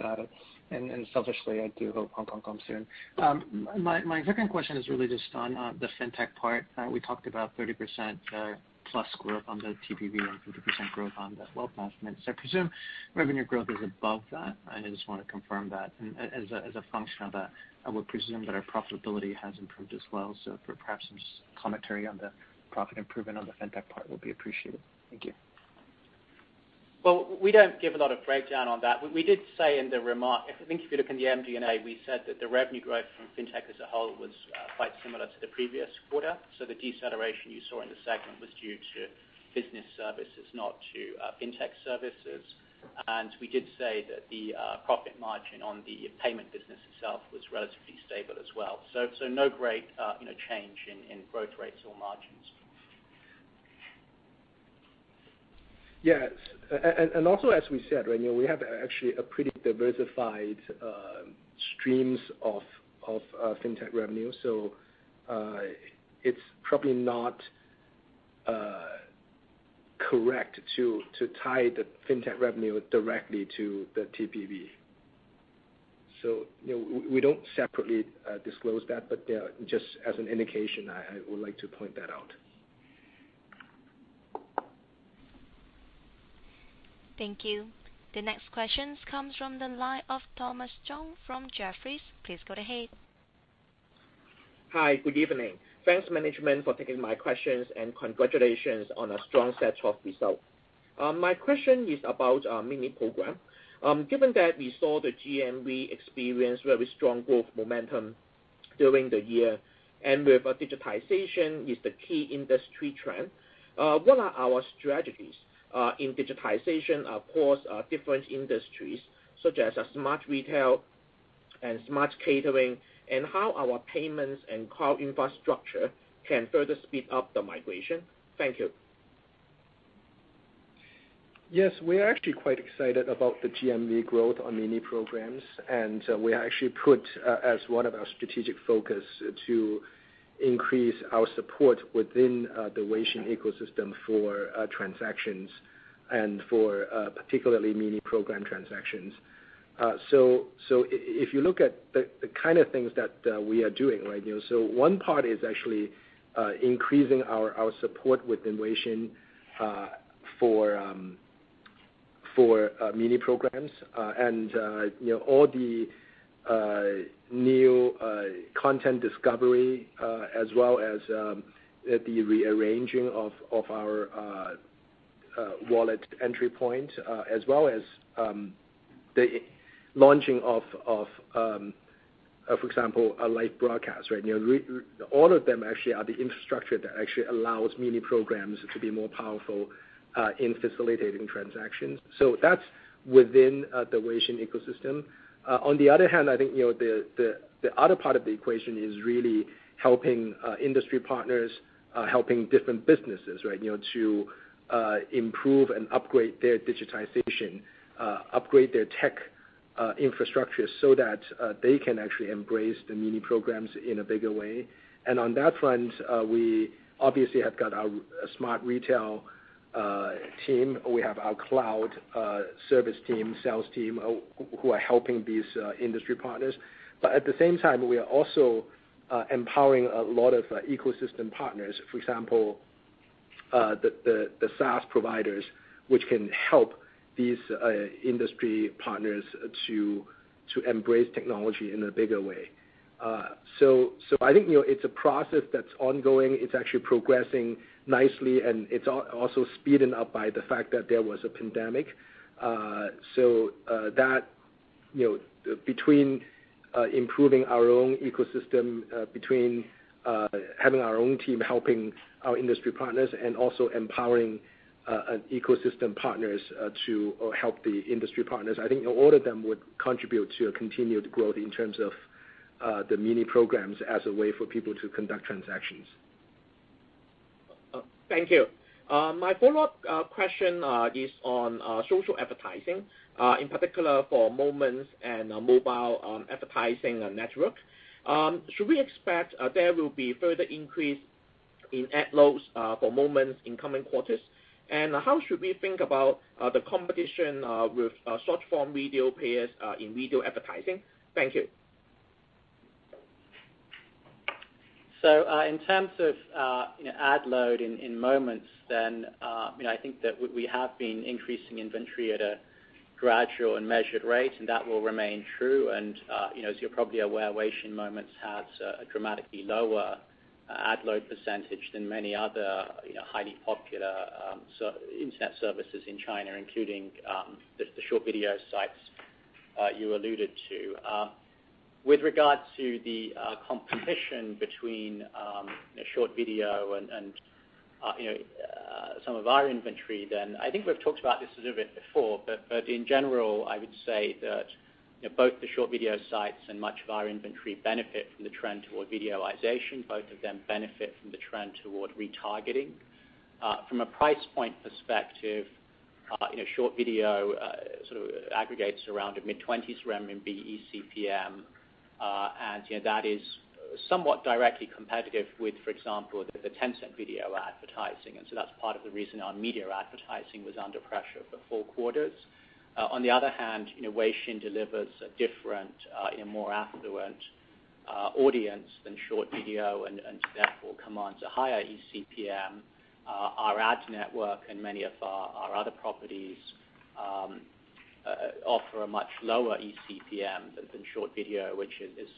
Got it. Selfishly, I do hope Hong Kong comes soon. My second question is really just on the fintech part. We talked about 30% plus growth on the TPV and 50% growth on the loan placements. I presume revenue growth is above that, and I just want to confirm that. As a function of that, I would presume that our profitability has improved as well. Perhaps some commentary on the profit improvement on the fintech part would be appreciated. Thank you. Well, we don't give a lot of breakdown on that. We did say in the remarks I think if you look in the MD&A, we said that the revenue growth from fintech as a whole was quite similar to the previous quarter. The deceleration you saw in the segment was due to business services, not to fintech services. We did say that the profit margin on the payment business itself was relatively stable as well. No great change in growth rates or margins. Yes. Also as we said, we have actually a pretty diversified streams of fintech revenue. It's probably not correct to tie the fintech revenue directly to the TPV. We don't separately disclose that, but just as an indication, I would like to point that out. Thank you. The next questions comes from the line of Thomas Chong from Jefferies. Please go ahead. Hi, good evening. Thanks, management, for taking my questions, and congratulations on a strong set of results. My question is about Mini Program. Given that we saw the GMV experience very strong growth momentum during the year, and with digitization is the key industry trend, what are our strategies in digitization across different industries such as smart retail and smart catering, and how our payments and cloud infrastructure can further speed up the migration? Thank you. We are actually quite excited about the GMV growth on Mini Programs, we actually put as one of our strategic focus to increase our support within the Weixin ecosystem for transactions and for particularly Mini Program transactions. If you look at the kind of things that we are doing, one part is actually increasing our support within Weixin for Mini Programs. All the new content discovery as well as the rearranging of our wallet entry point as well as the launching of, for example, a live broadcast. All of them actually are the infrastructure that actually allows Mini Programs to be more powerful in facilitating transactions. That's within the Weixin ecosystem. On the other hand I think the other part of the equation is really helping industry partners, helping different businesses to improve and upgrade their digitization, upgrade their tech infrastructure so that they can actually embrace the Mini Programs in a bigger way. On that front, we obviously have got our smart retail team. We have our cloud service team, sales team who are helping these industry partners. At the same time, we are also empowering a lot of ecosystem partners. For example, the SaaS providers, which can help these industry partners to embrace technology in a bigger way. I think it's a process that's ongoing. It's actually progressing nicely, and it's also speeding up by the fact that there was a pandemic. Between improving our own ecosystem, between having our own team helping our industry partners, and also empowering ecosystem partners to help the industry partners, I think all of them would contribute to a continued growth in terms of the Mini Programs as a way for people to conduct transactions. Thank you. My follow-up question is on social advertising, in particular for Moments and mobile advertising network. Should we expect there will be further increase in ad loads for Moments in coming quarters? How should we think about the competition with short-form video players in video advertising? Thank you. In terms of ad load in Moments, I think that we have been increasing inventory at a gradual and measured rate, and that will remain true. As you're probably aware, WeChat Moments has a dramatically lower ad load percent than many other highly popular internet services in China, including the short video sites you alluded to. With regards to the competition between short video and some of our inventory, I think we've talked about this a little bit before, but in general, I would say that both the short video sites and much of our inventory benefit from the trend toward videoization. Both of them benefit from the trend toward retargeting. From a price point perspective, short video sort of aggregates around a mid-20s RMB eCPM. That is somewhat directly competitive with, for example, the Tencent video advertising. That's part of the reason our media advertising was under pressure for four quarters. On the other hand, Weixin delivers a different, more affluent audience than short video and therefore commands a higher eCPM. Our ad network and many of our other properties offer a much lower eCPM than short video, which is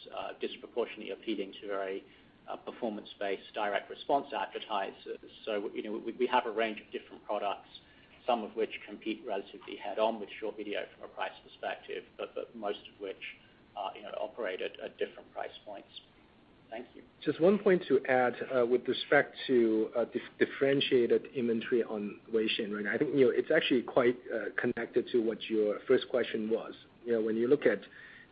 disproportionately appealing to very performance-based direct response advertisers. We have a range of different products, some of which compete relatively head-on with short video from a price perspective, but most of which operate at different price points. Thank you. Just one point to add with respect to differentiated inventory on Weixin. I think it's actually quite connected to what your first question was. When you look at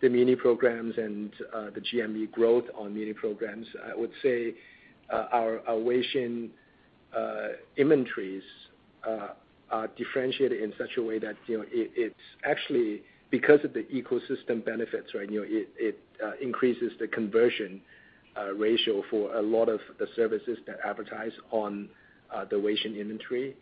the Mini Programs and the GMV growth on Mini Programs, I would say our Weixin inventories are differentiated in such a way that it's actually because of the ecosystem benefits. It increases the conversion ratio for a lot of the services that advertise on the Weixin inventory.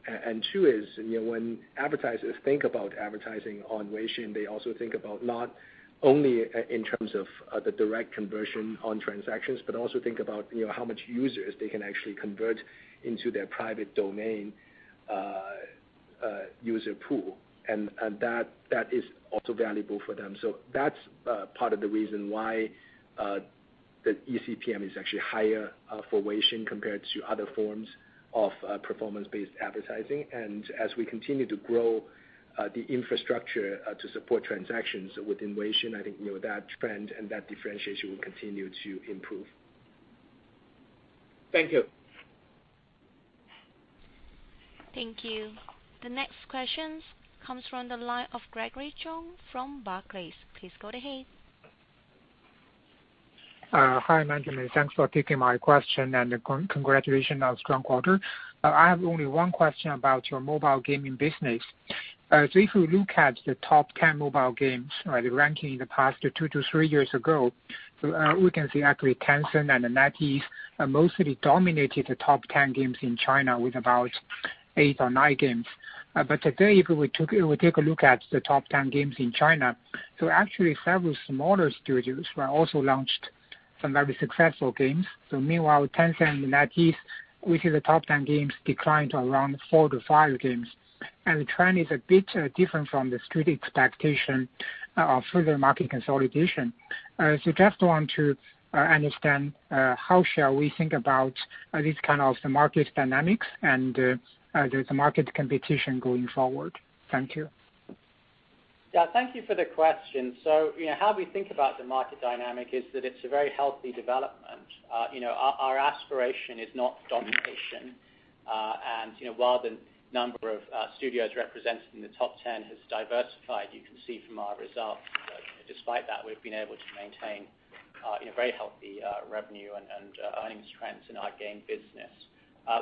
Two is, when advertisers think about advertising on Weixin, they also think about not only in terms of the direct conversion on transactions, but also think about how much users they can actually convert into their private domain user pool, and that is also valuable for them. That's part of the reason why the eCPM is actually higher for Weixin compared to other forms of performance-based advertising. As we continue to grow the infrastructure to support transactions within Weixin, I think that trend and that differentiation will continue to improve. Thank you. Thank you. The next questions comes from the line of Gregory Zhao from Barclays. Please go ahead. Hi, management. Thanks for taking my question, and congratulations on a strong quarter. I have only one question about your mobile gaming business. If you look at the top 10 mobile games ranking in the past two to three years ago, we can see actually Tencent and NetEase mostly dominated the top 10 games in China with about eight or nine games. Today, if we take a look at the top 10 games in China, actually several smaller studios were also launched some very successful games. Meanwhile, Tencent and NetEase, we see the top 10 games decline to around four to five games. The trend is a bit different from the street expectation of further market consolidation. I just want to understand how shall we think about this kind of the market dynamics and the market competition going forward. Thank you. Yeah. Thank you for the question. How we think about the market dynamic is that it's a very healthy development. Our aspiration is not domination. While the number of studios represented in the top 10 has diversified, you can see from our results that despite that, we've been able to maintain very healthy revenue and earnings trends in our game business.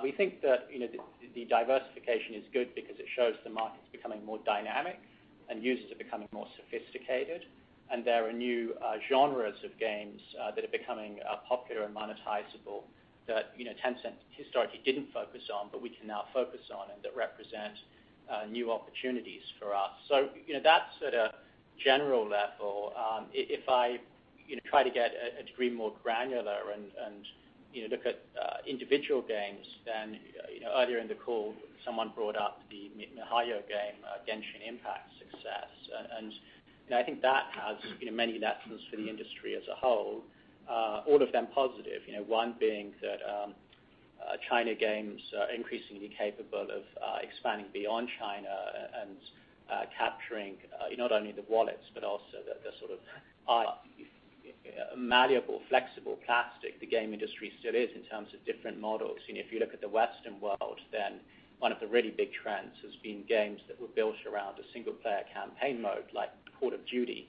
We think that the diversification is good because it shows the market's becoming more dynamic and users are becoming more sophisticated, and there are new genres of games that are becoming popular and monetizable that Tencent historically didn't focus on, but we can now focus on, and that represent new opportunities for us. That's at a general level. If I try to get a degree more granular and look at individual games, then earlier in the call, someone brought up the miHoYo game, Genshin Impact's success. I think that has many lessons for the industry as a whole, all of them positive. One being that China games are increasingly capable of expanding beyond China and capturing not only the wallets, but also the sort of malleable, flexible plastic the game industry still is in terms of different models. If you look at the Western world, One of the really big trends has been games that were built around a single-player campaign mode, like Call of Duty,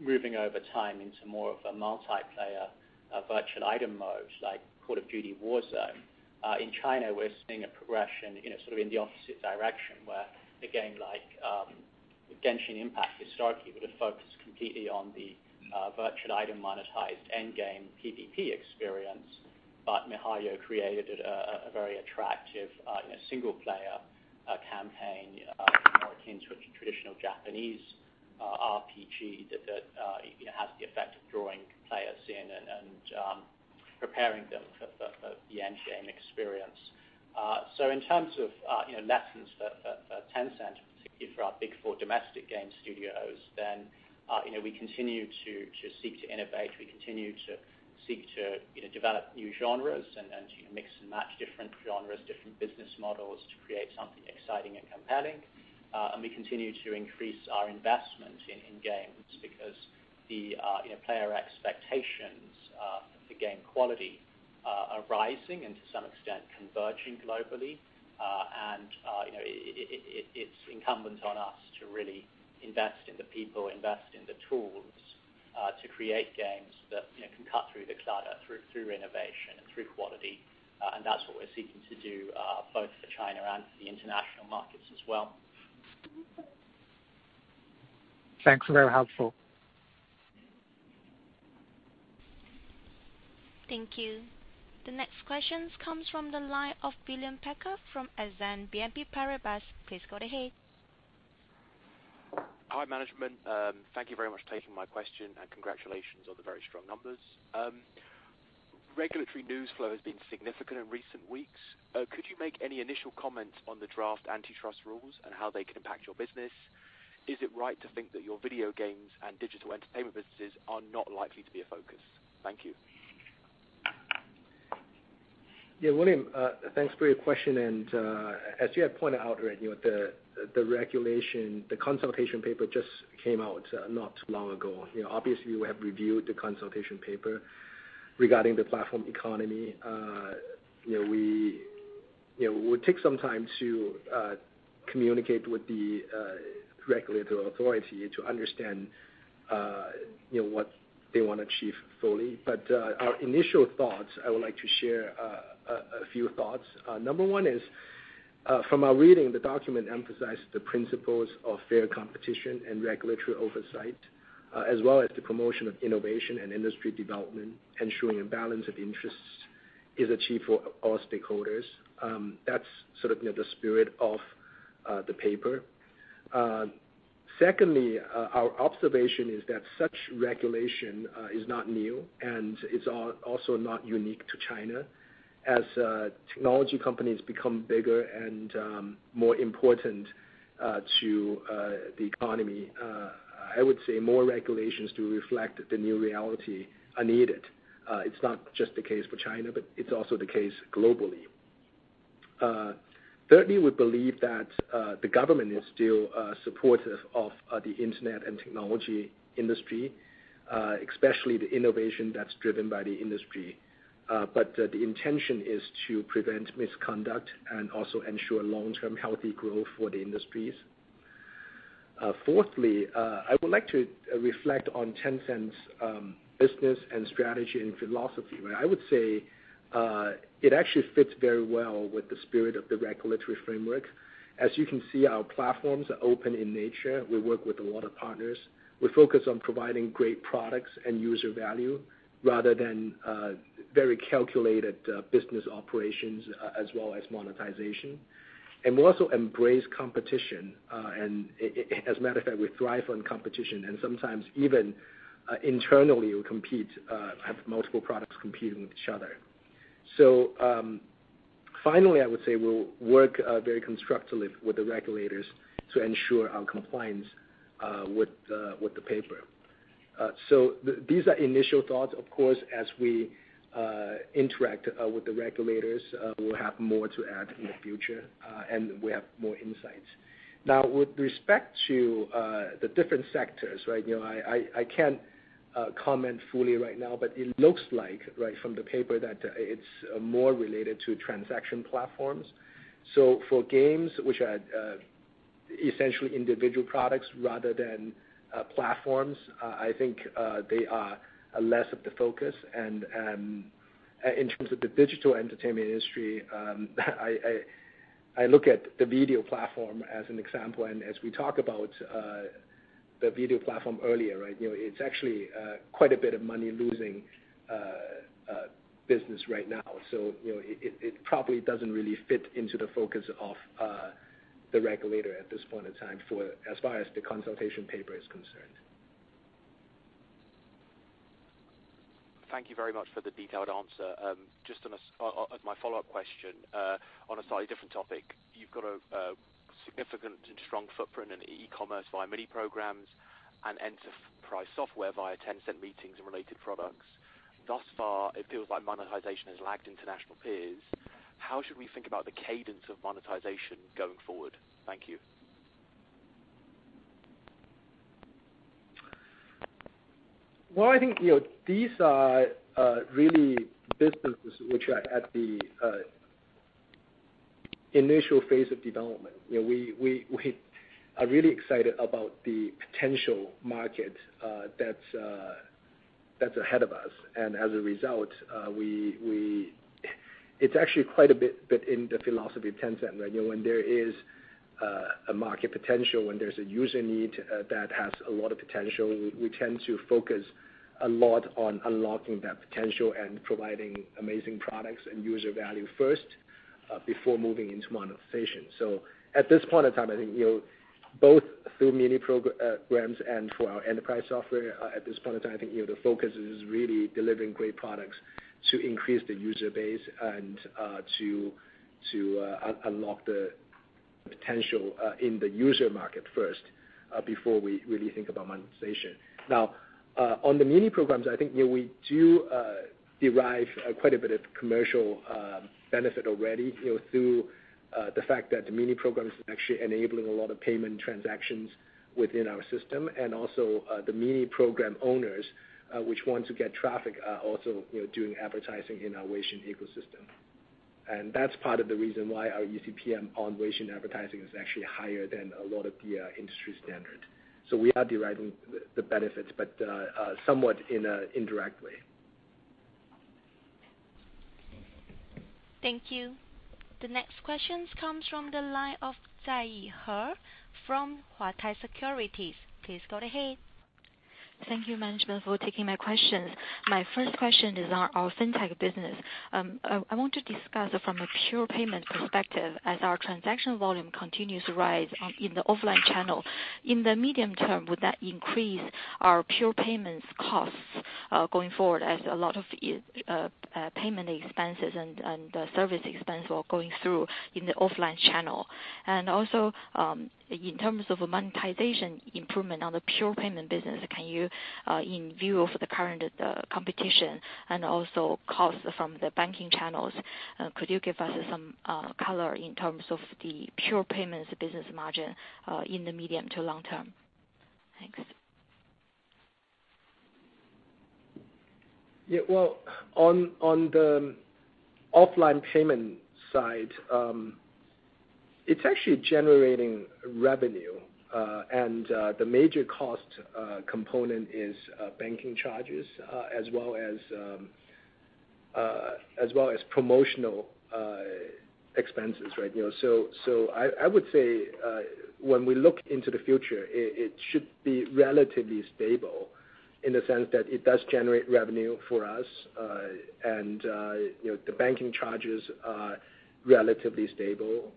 moving over time into more of a multiplayer virtual item mode, like Call of Duty: Warzone. In China, we're seeing a progression in the opposite direction, where a game like Genshin Impact historically would have focused completely on the virtual item monetized end-game PVP experience. miHoYo created a very attractive single-player campaign more akin to a traditional Japanese RPG that has the effect of drawing players in and preparing them for the end-game experience. In terms of lessons for Tencent, particularly for our big four domestic game studios, then we continue to seek to innovate. We continue to seek to develop new genres and to mix and match different genres, different business models to create something exciting and compelling. We continue to increase our investment in games because the player expectations for game quality are rising and to some extent converging globally. It's incumbent on us to really invest in the people, invest in the tools, to create games that can cut through the clutter through innovation and through quality. That's what we're seeking to do both for China and for the international markets as well. Thanks. Very helpful. Thank you. The next questions comes from the line of William Packer from Exane BNP Paribas. Please go ahead. Hi, management. Thank you very much for taking my question, and congratulations on the very strong numbers. Regulatory news flow has been significant in recent weeks. Could you make any initial comments on the draft antitrust rules and how they could impact your business? Is it right to think that your video games and digital entertainment businesses are not likely to be a focus? Thank you. Yeah, William, thanks for your question. As you have pointed out, the regulation, the consultation paper just came out not long ago. Obviously, we have reviewed the consultation paper regarding the platform economy. We would take some time to communicate with the regulatory authority to understand what they want to achieve fully. Our initial thoughts, I would like to share a few thoughts. Number one is, from our reading, the document emphasized the principles of fair competition and regulatory oversight, as well as the promotion of innovation and industry development, ensuring a balance of interests is achieved for all stakeholders. That's sort of the spirit of the paper. Secondly, our observation is that such regulation is not new and is also not unique to China. As technology companies become bigger and more important to the economy, I would say more regulations to reflect the new reality are needed. It's not just the case for China, but it's also the case globally. Thirdly, we believe that the government is still supportive of the internet and technology industry, especially the innovation that's driven by the industry. The intention is to prevent misconduct and also ensure long-term healthy growth for the industries. Fourthly, I would like to reflect on Tencent's business and strategy and philosophy. I would say it actually fits very well with the spirit of the regulatory framework. As you can see, our platforms are open in nature. We work with a lot of partners. We focus on providing great products and user value rather than very calculated business operations as well as monetization. We also embrace competition. As a matter of fact, we thrive on competition and sometimes even internally we compete, have multiple products competing with each other. Finally, I would say we'll work very constructively with the regulators to ensure our compliance with the paper. These are initial thoughts. Of course, as we interact with the regulators, we'll have more to add in the future, and we have more insights. With respect to the different sectors, I can't comment fully right now, but it looks like from the paper that it's more related to transaction platforms. For games, which are essentially individual products rather than platforms, I think they are less of the focus. In terms of the digital entertainment industry, I look at the video platform as an example, and as we talk about the video platform earlier, it's actually quite a bit of money-losing business right now. It probably doesn't really fit into the focus of the regulator at this point in time as far as the consultation paper is concerned. Thank you very much for the detailed answer. Just as my follow-up question, on a slightly different topic. You've got a significant and strong footprint in e-commerce via Mini Program and enterprise software via Tencent Meeting and related products. Thus far, it feels like monetization has lagged international peers. How should we think about the cadence of monetization going forward? Thank you. Well, I think these are really businesses which are at the initial phase of development. We are really excited about the potential market that's ahead of us. As a result, it's actually quite a bit in the philosophy of Tencent. When there is a market potential, when there's a user need that has a lot of potential, we tend to focus a lot on unlocking that potential and providing amazing products and user value first, before moving into monetization. At this point of time, I think both through Mini Programs and for our enterprise software, at this point of time, I think the focus is really delivering great products to increase the user base and to unlock the potential in the user market first, before we really think about monetization. On the Mini Programs, I think we do derive quite a bit of commercial benefit already, through the fact that the Mini Programs is actually enabling a lot of payment transactions within our system. The Mini Program owners, which want to get traffic, are also doing advertising in our Weixin ecosystem. That's part of the reason why our eCPM on Weixin advertising is actually higher than a lot of the industry standard. We are deriving the benefits, but somewhat indirectly. Thank you. The next questions comes from the line of Zaihao He from Huatai Securities. Please go ahead. Thank you, management, for taking my questions. My first question is on our Fintech business. I want to discuss from a pure payment perspective, as our transaction volume continues to rise in the offline channel. In the medium term, would that increase our pure payments costs going forward as a lot of payment expenses and service expense are going through in the offline channel? Also, in terms of monetization improvement on the pure payment business, in view of the current competition and also costs from the banking channels, could you give us some color in terms of the pure payments business margin in the medium to long term? Thanks. Well, on the offline payment side, it's actually generating revenue. The major cost component is banking charges, as well as promotional expenses. I would say, when we look into the future, it should be relatively stable in the sense that it does generate revenue for us. The banking charges are relatively stable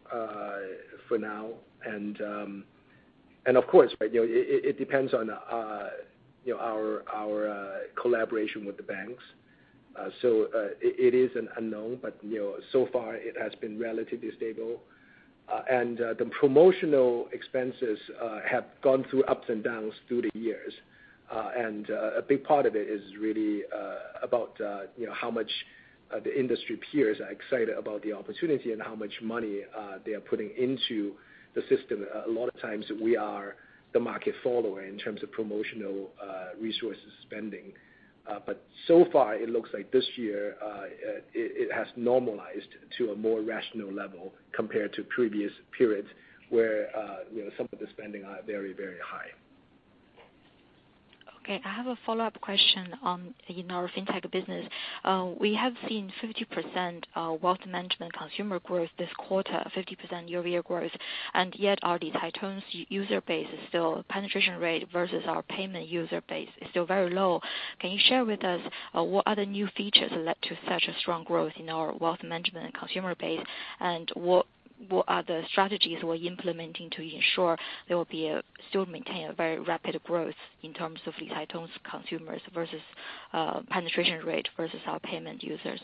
for now. Of course, it depends on our collaboration with the banks. It is an unknown, but so far it has been relatively stable. The promotional expenses have gone through ups and downs through the years. A big part of it is really about how much the industry peers are excited about the opportunity and how much money they are putting into the system. A lot of times we are the market follower in terms of promotional resources spending. So far, it looks like this year, it has normalized to a more rational level compared to previous periods where some of the spending are very, very high. Okay. I have a follow-up question on our Fintech business. We have seen 50% wealth management consumer growth this quarter, 50% year-over-year growth. Yet our Li Cai user base penetration rate versus our payment user base is still very low. Can you share with us what other new features led to such a strong growth in our wealth management and consumer base? What other strategies we're implementing to ensure they will still maintain a very rapid growth in terms of Li Cai consumers versus penetration rate versus our payment users?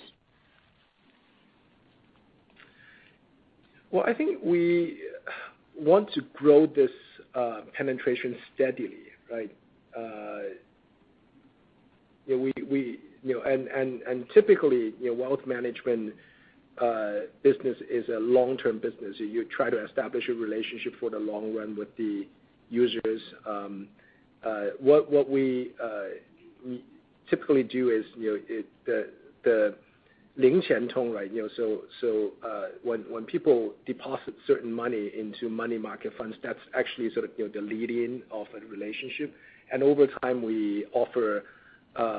Well, I think we want to grow this penetration steadily, right? Typically, wealth management business is a long-term business. You try to establish a relationship for the long run with the users. What we typically do is the Ling Qian Tong. When people deposit certain money into money market funds, that's actually sort of the lead-in of a relationship. Over time, we offer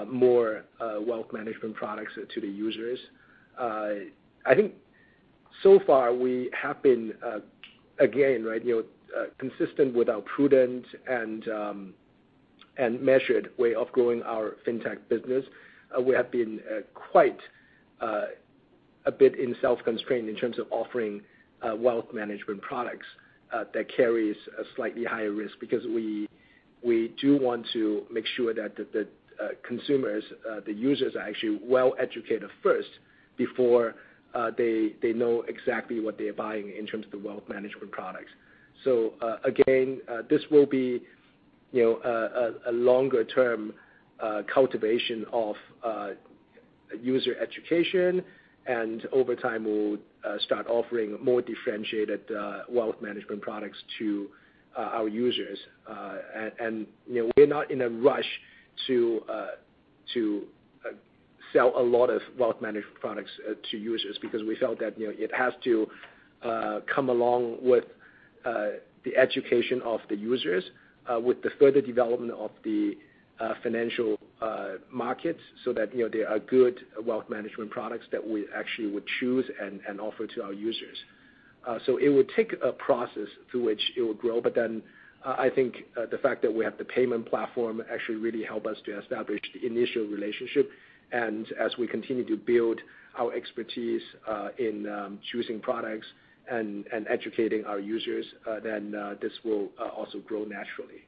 more wealth management products to the users. I think so far we have been, again, consistent with our prudent and measured way of growing our Fintech business. We have been quite a bit in self-constraint in terms of offering wealth management products that carries a slightly higher risk, because we do want to make sure that the consumers, the users are actually well-educated first before they know exactly what they are buying in terms of the wealth management products. Again, this will be a longer-term cultivation of user education, and over time, we will start offering more differentiated wealth management products to our users. We are not in a rush to sell a lot of wealth management products to users because we felt that it has to come along with the education of the users with the further development of the financial markets, so that there are good wealth management products that we actually would choose and offer to our users. It would take a process through which it would grow. I think the fact that we have the payment platform actually really help us to establish the initial relationship. As we continue to build our expertise in choosing products and educating our users, then this will also grow naturally.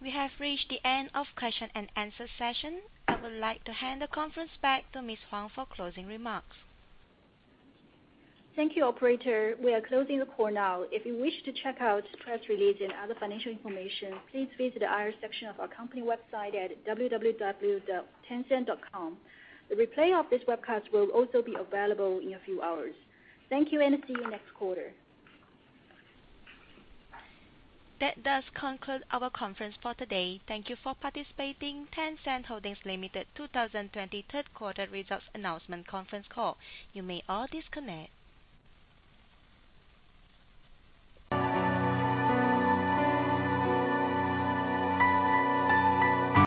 We have reached the end of question-and-answer session. I would like to hand the conference back to Ms. Huang for closing remarks. Thank you, operator. We are closing the call now. If you wish to check out press release and other financial information, please visit the IR section of our company website at www.tencent.com. The replay of this webcast will also be available in a few hours. Thank you, and see you next quarter. That does conclude our conference for today. Thank you for participating. Tencent Holdings Limited 2020 third quarter results announcement conference call. You may all disconnect.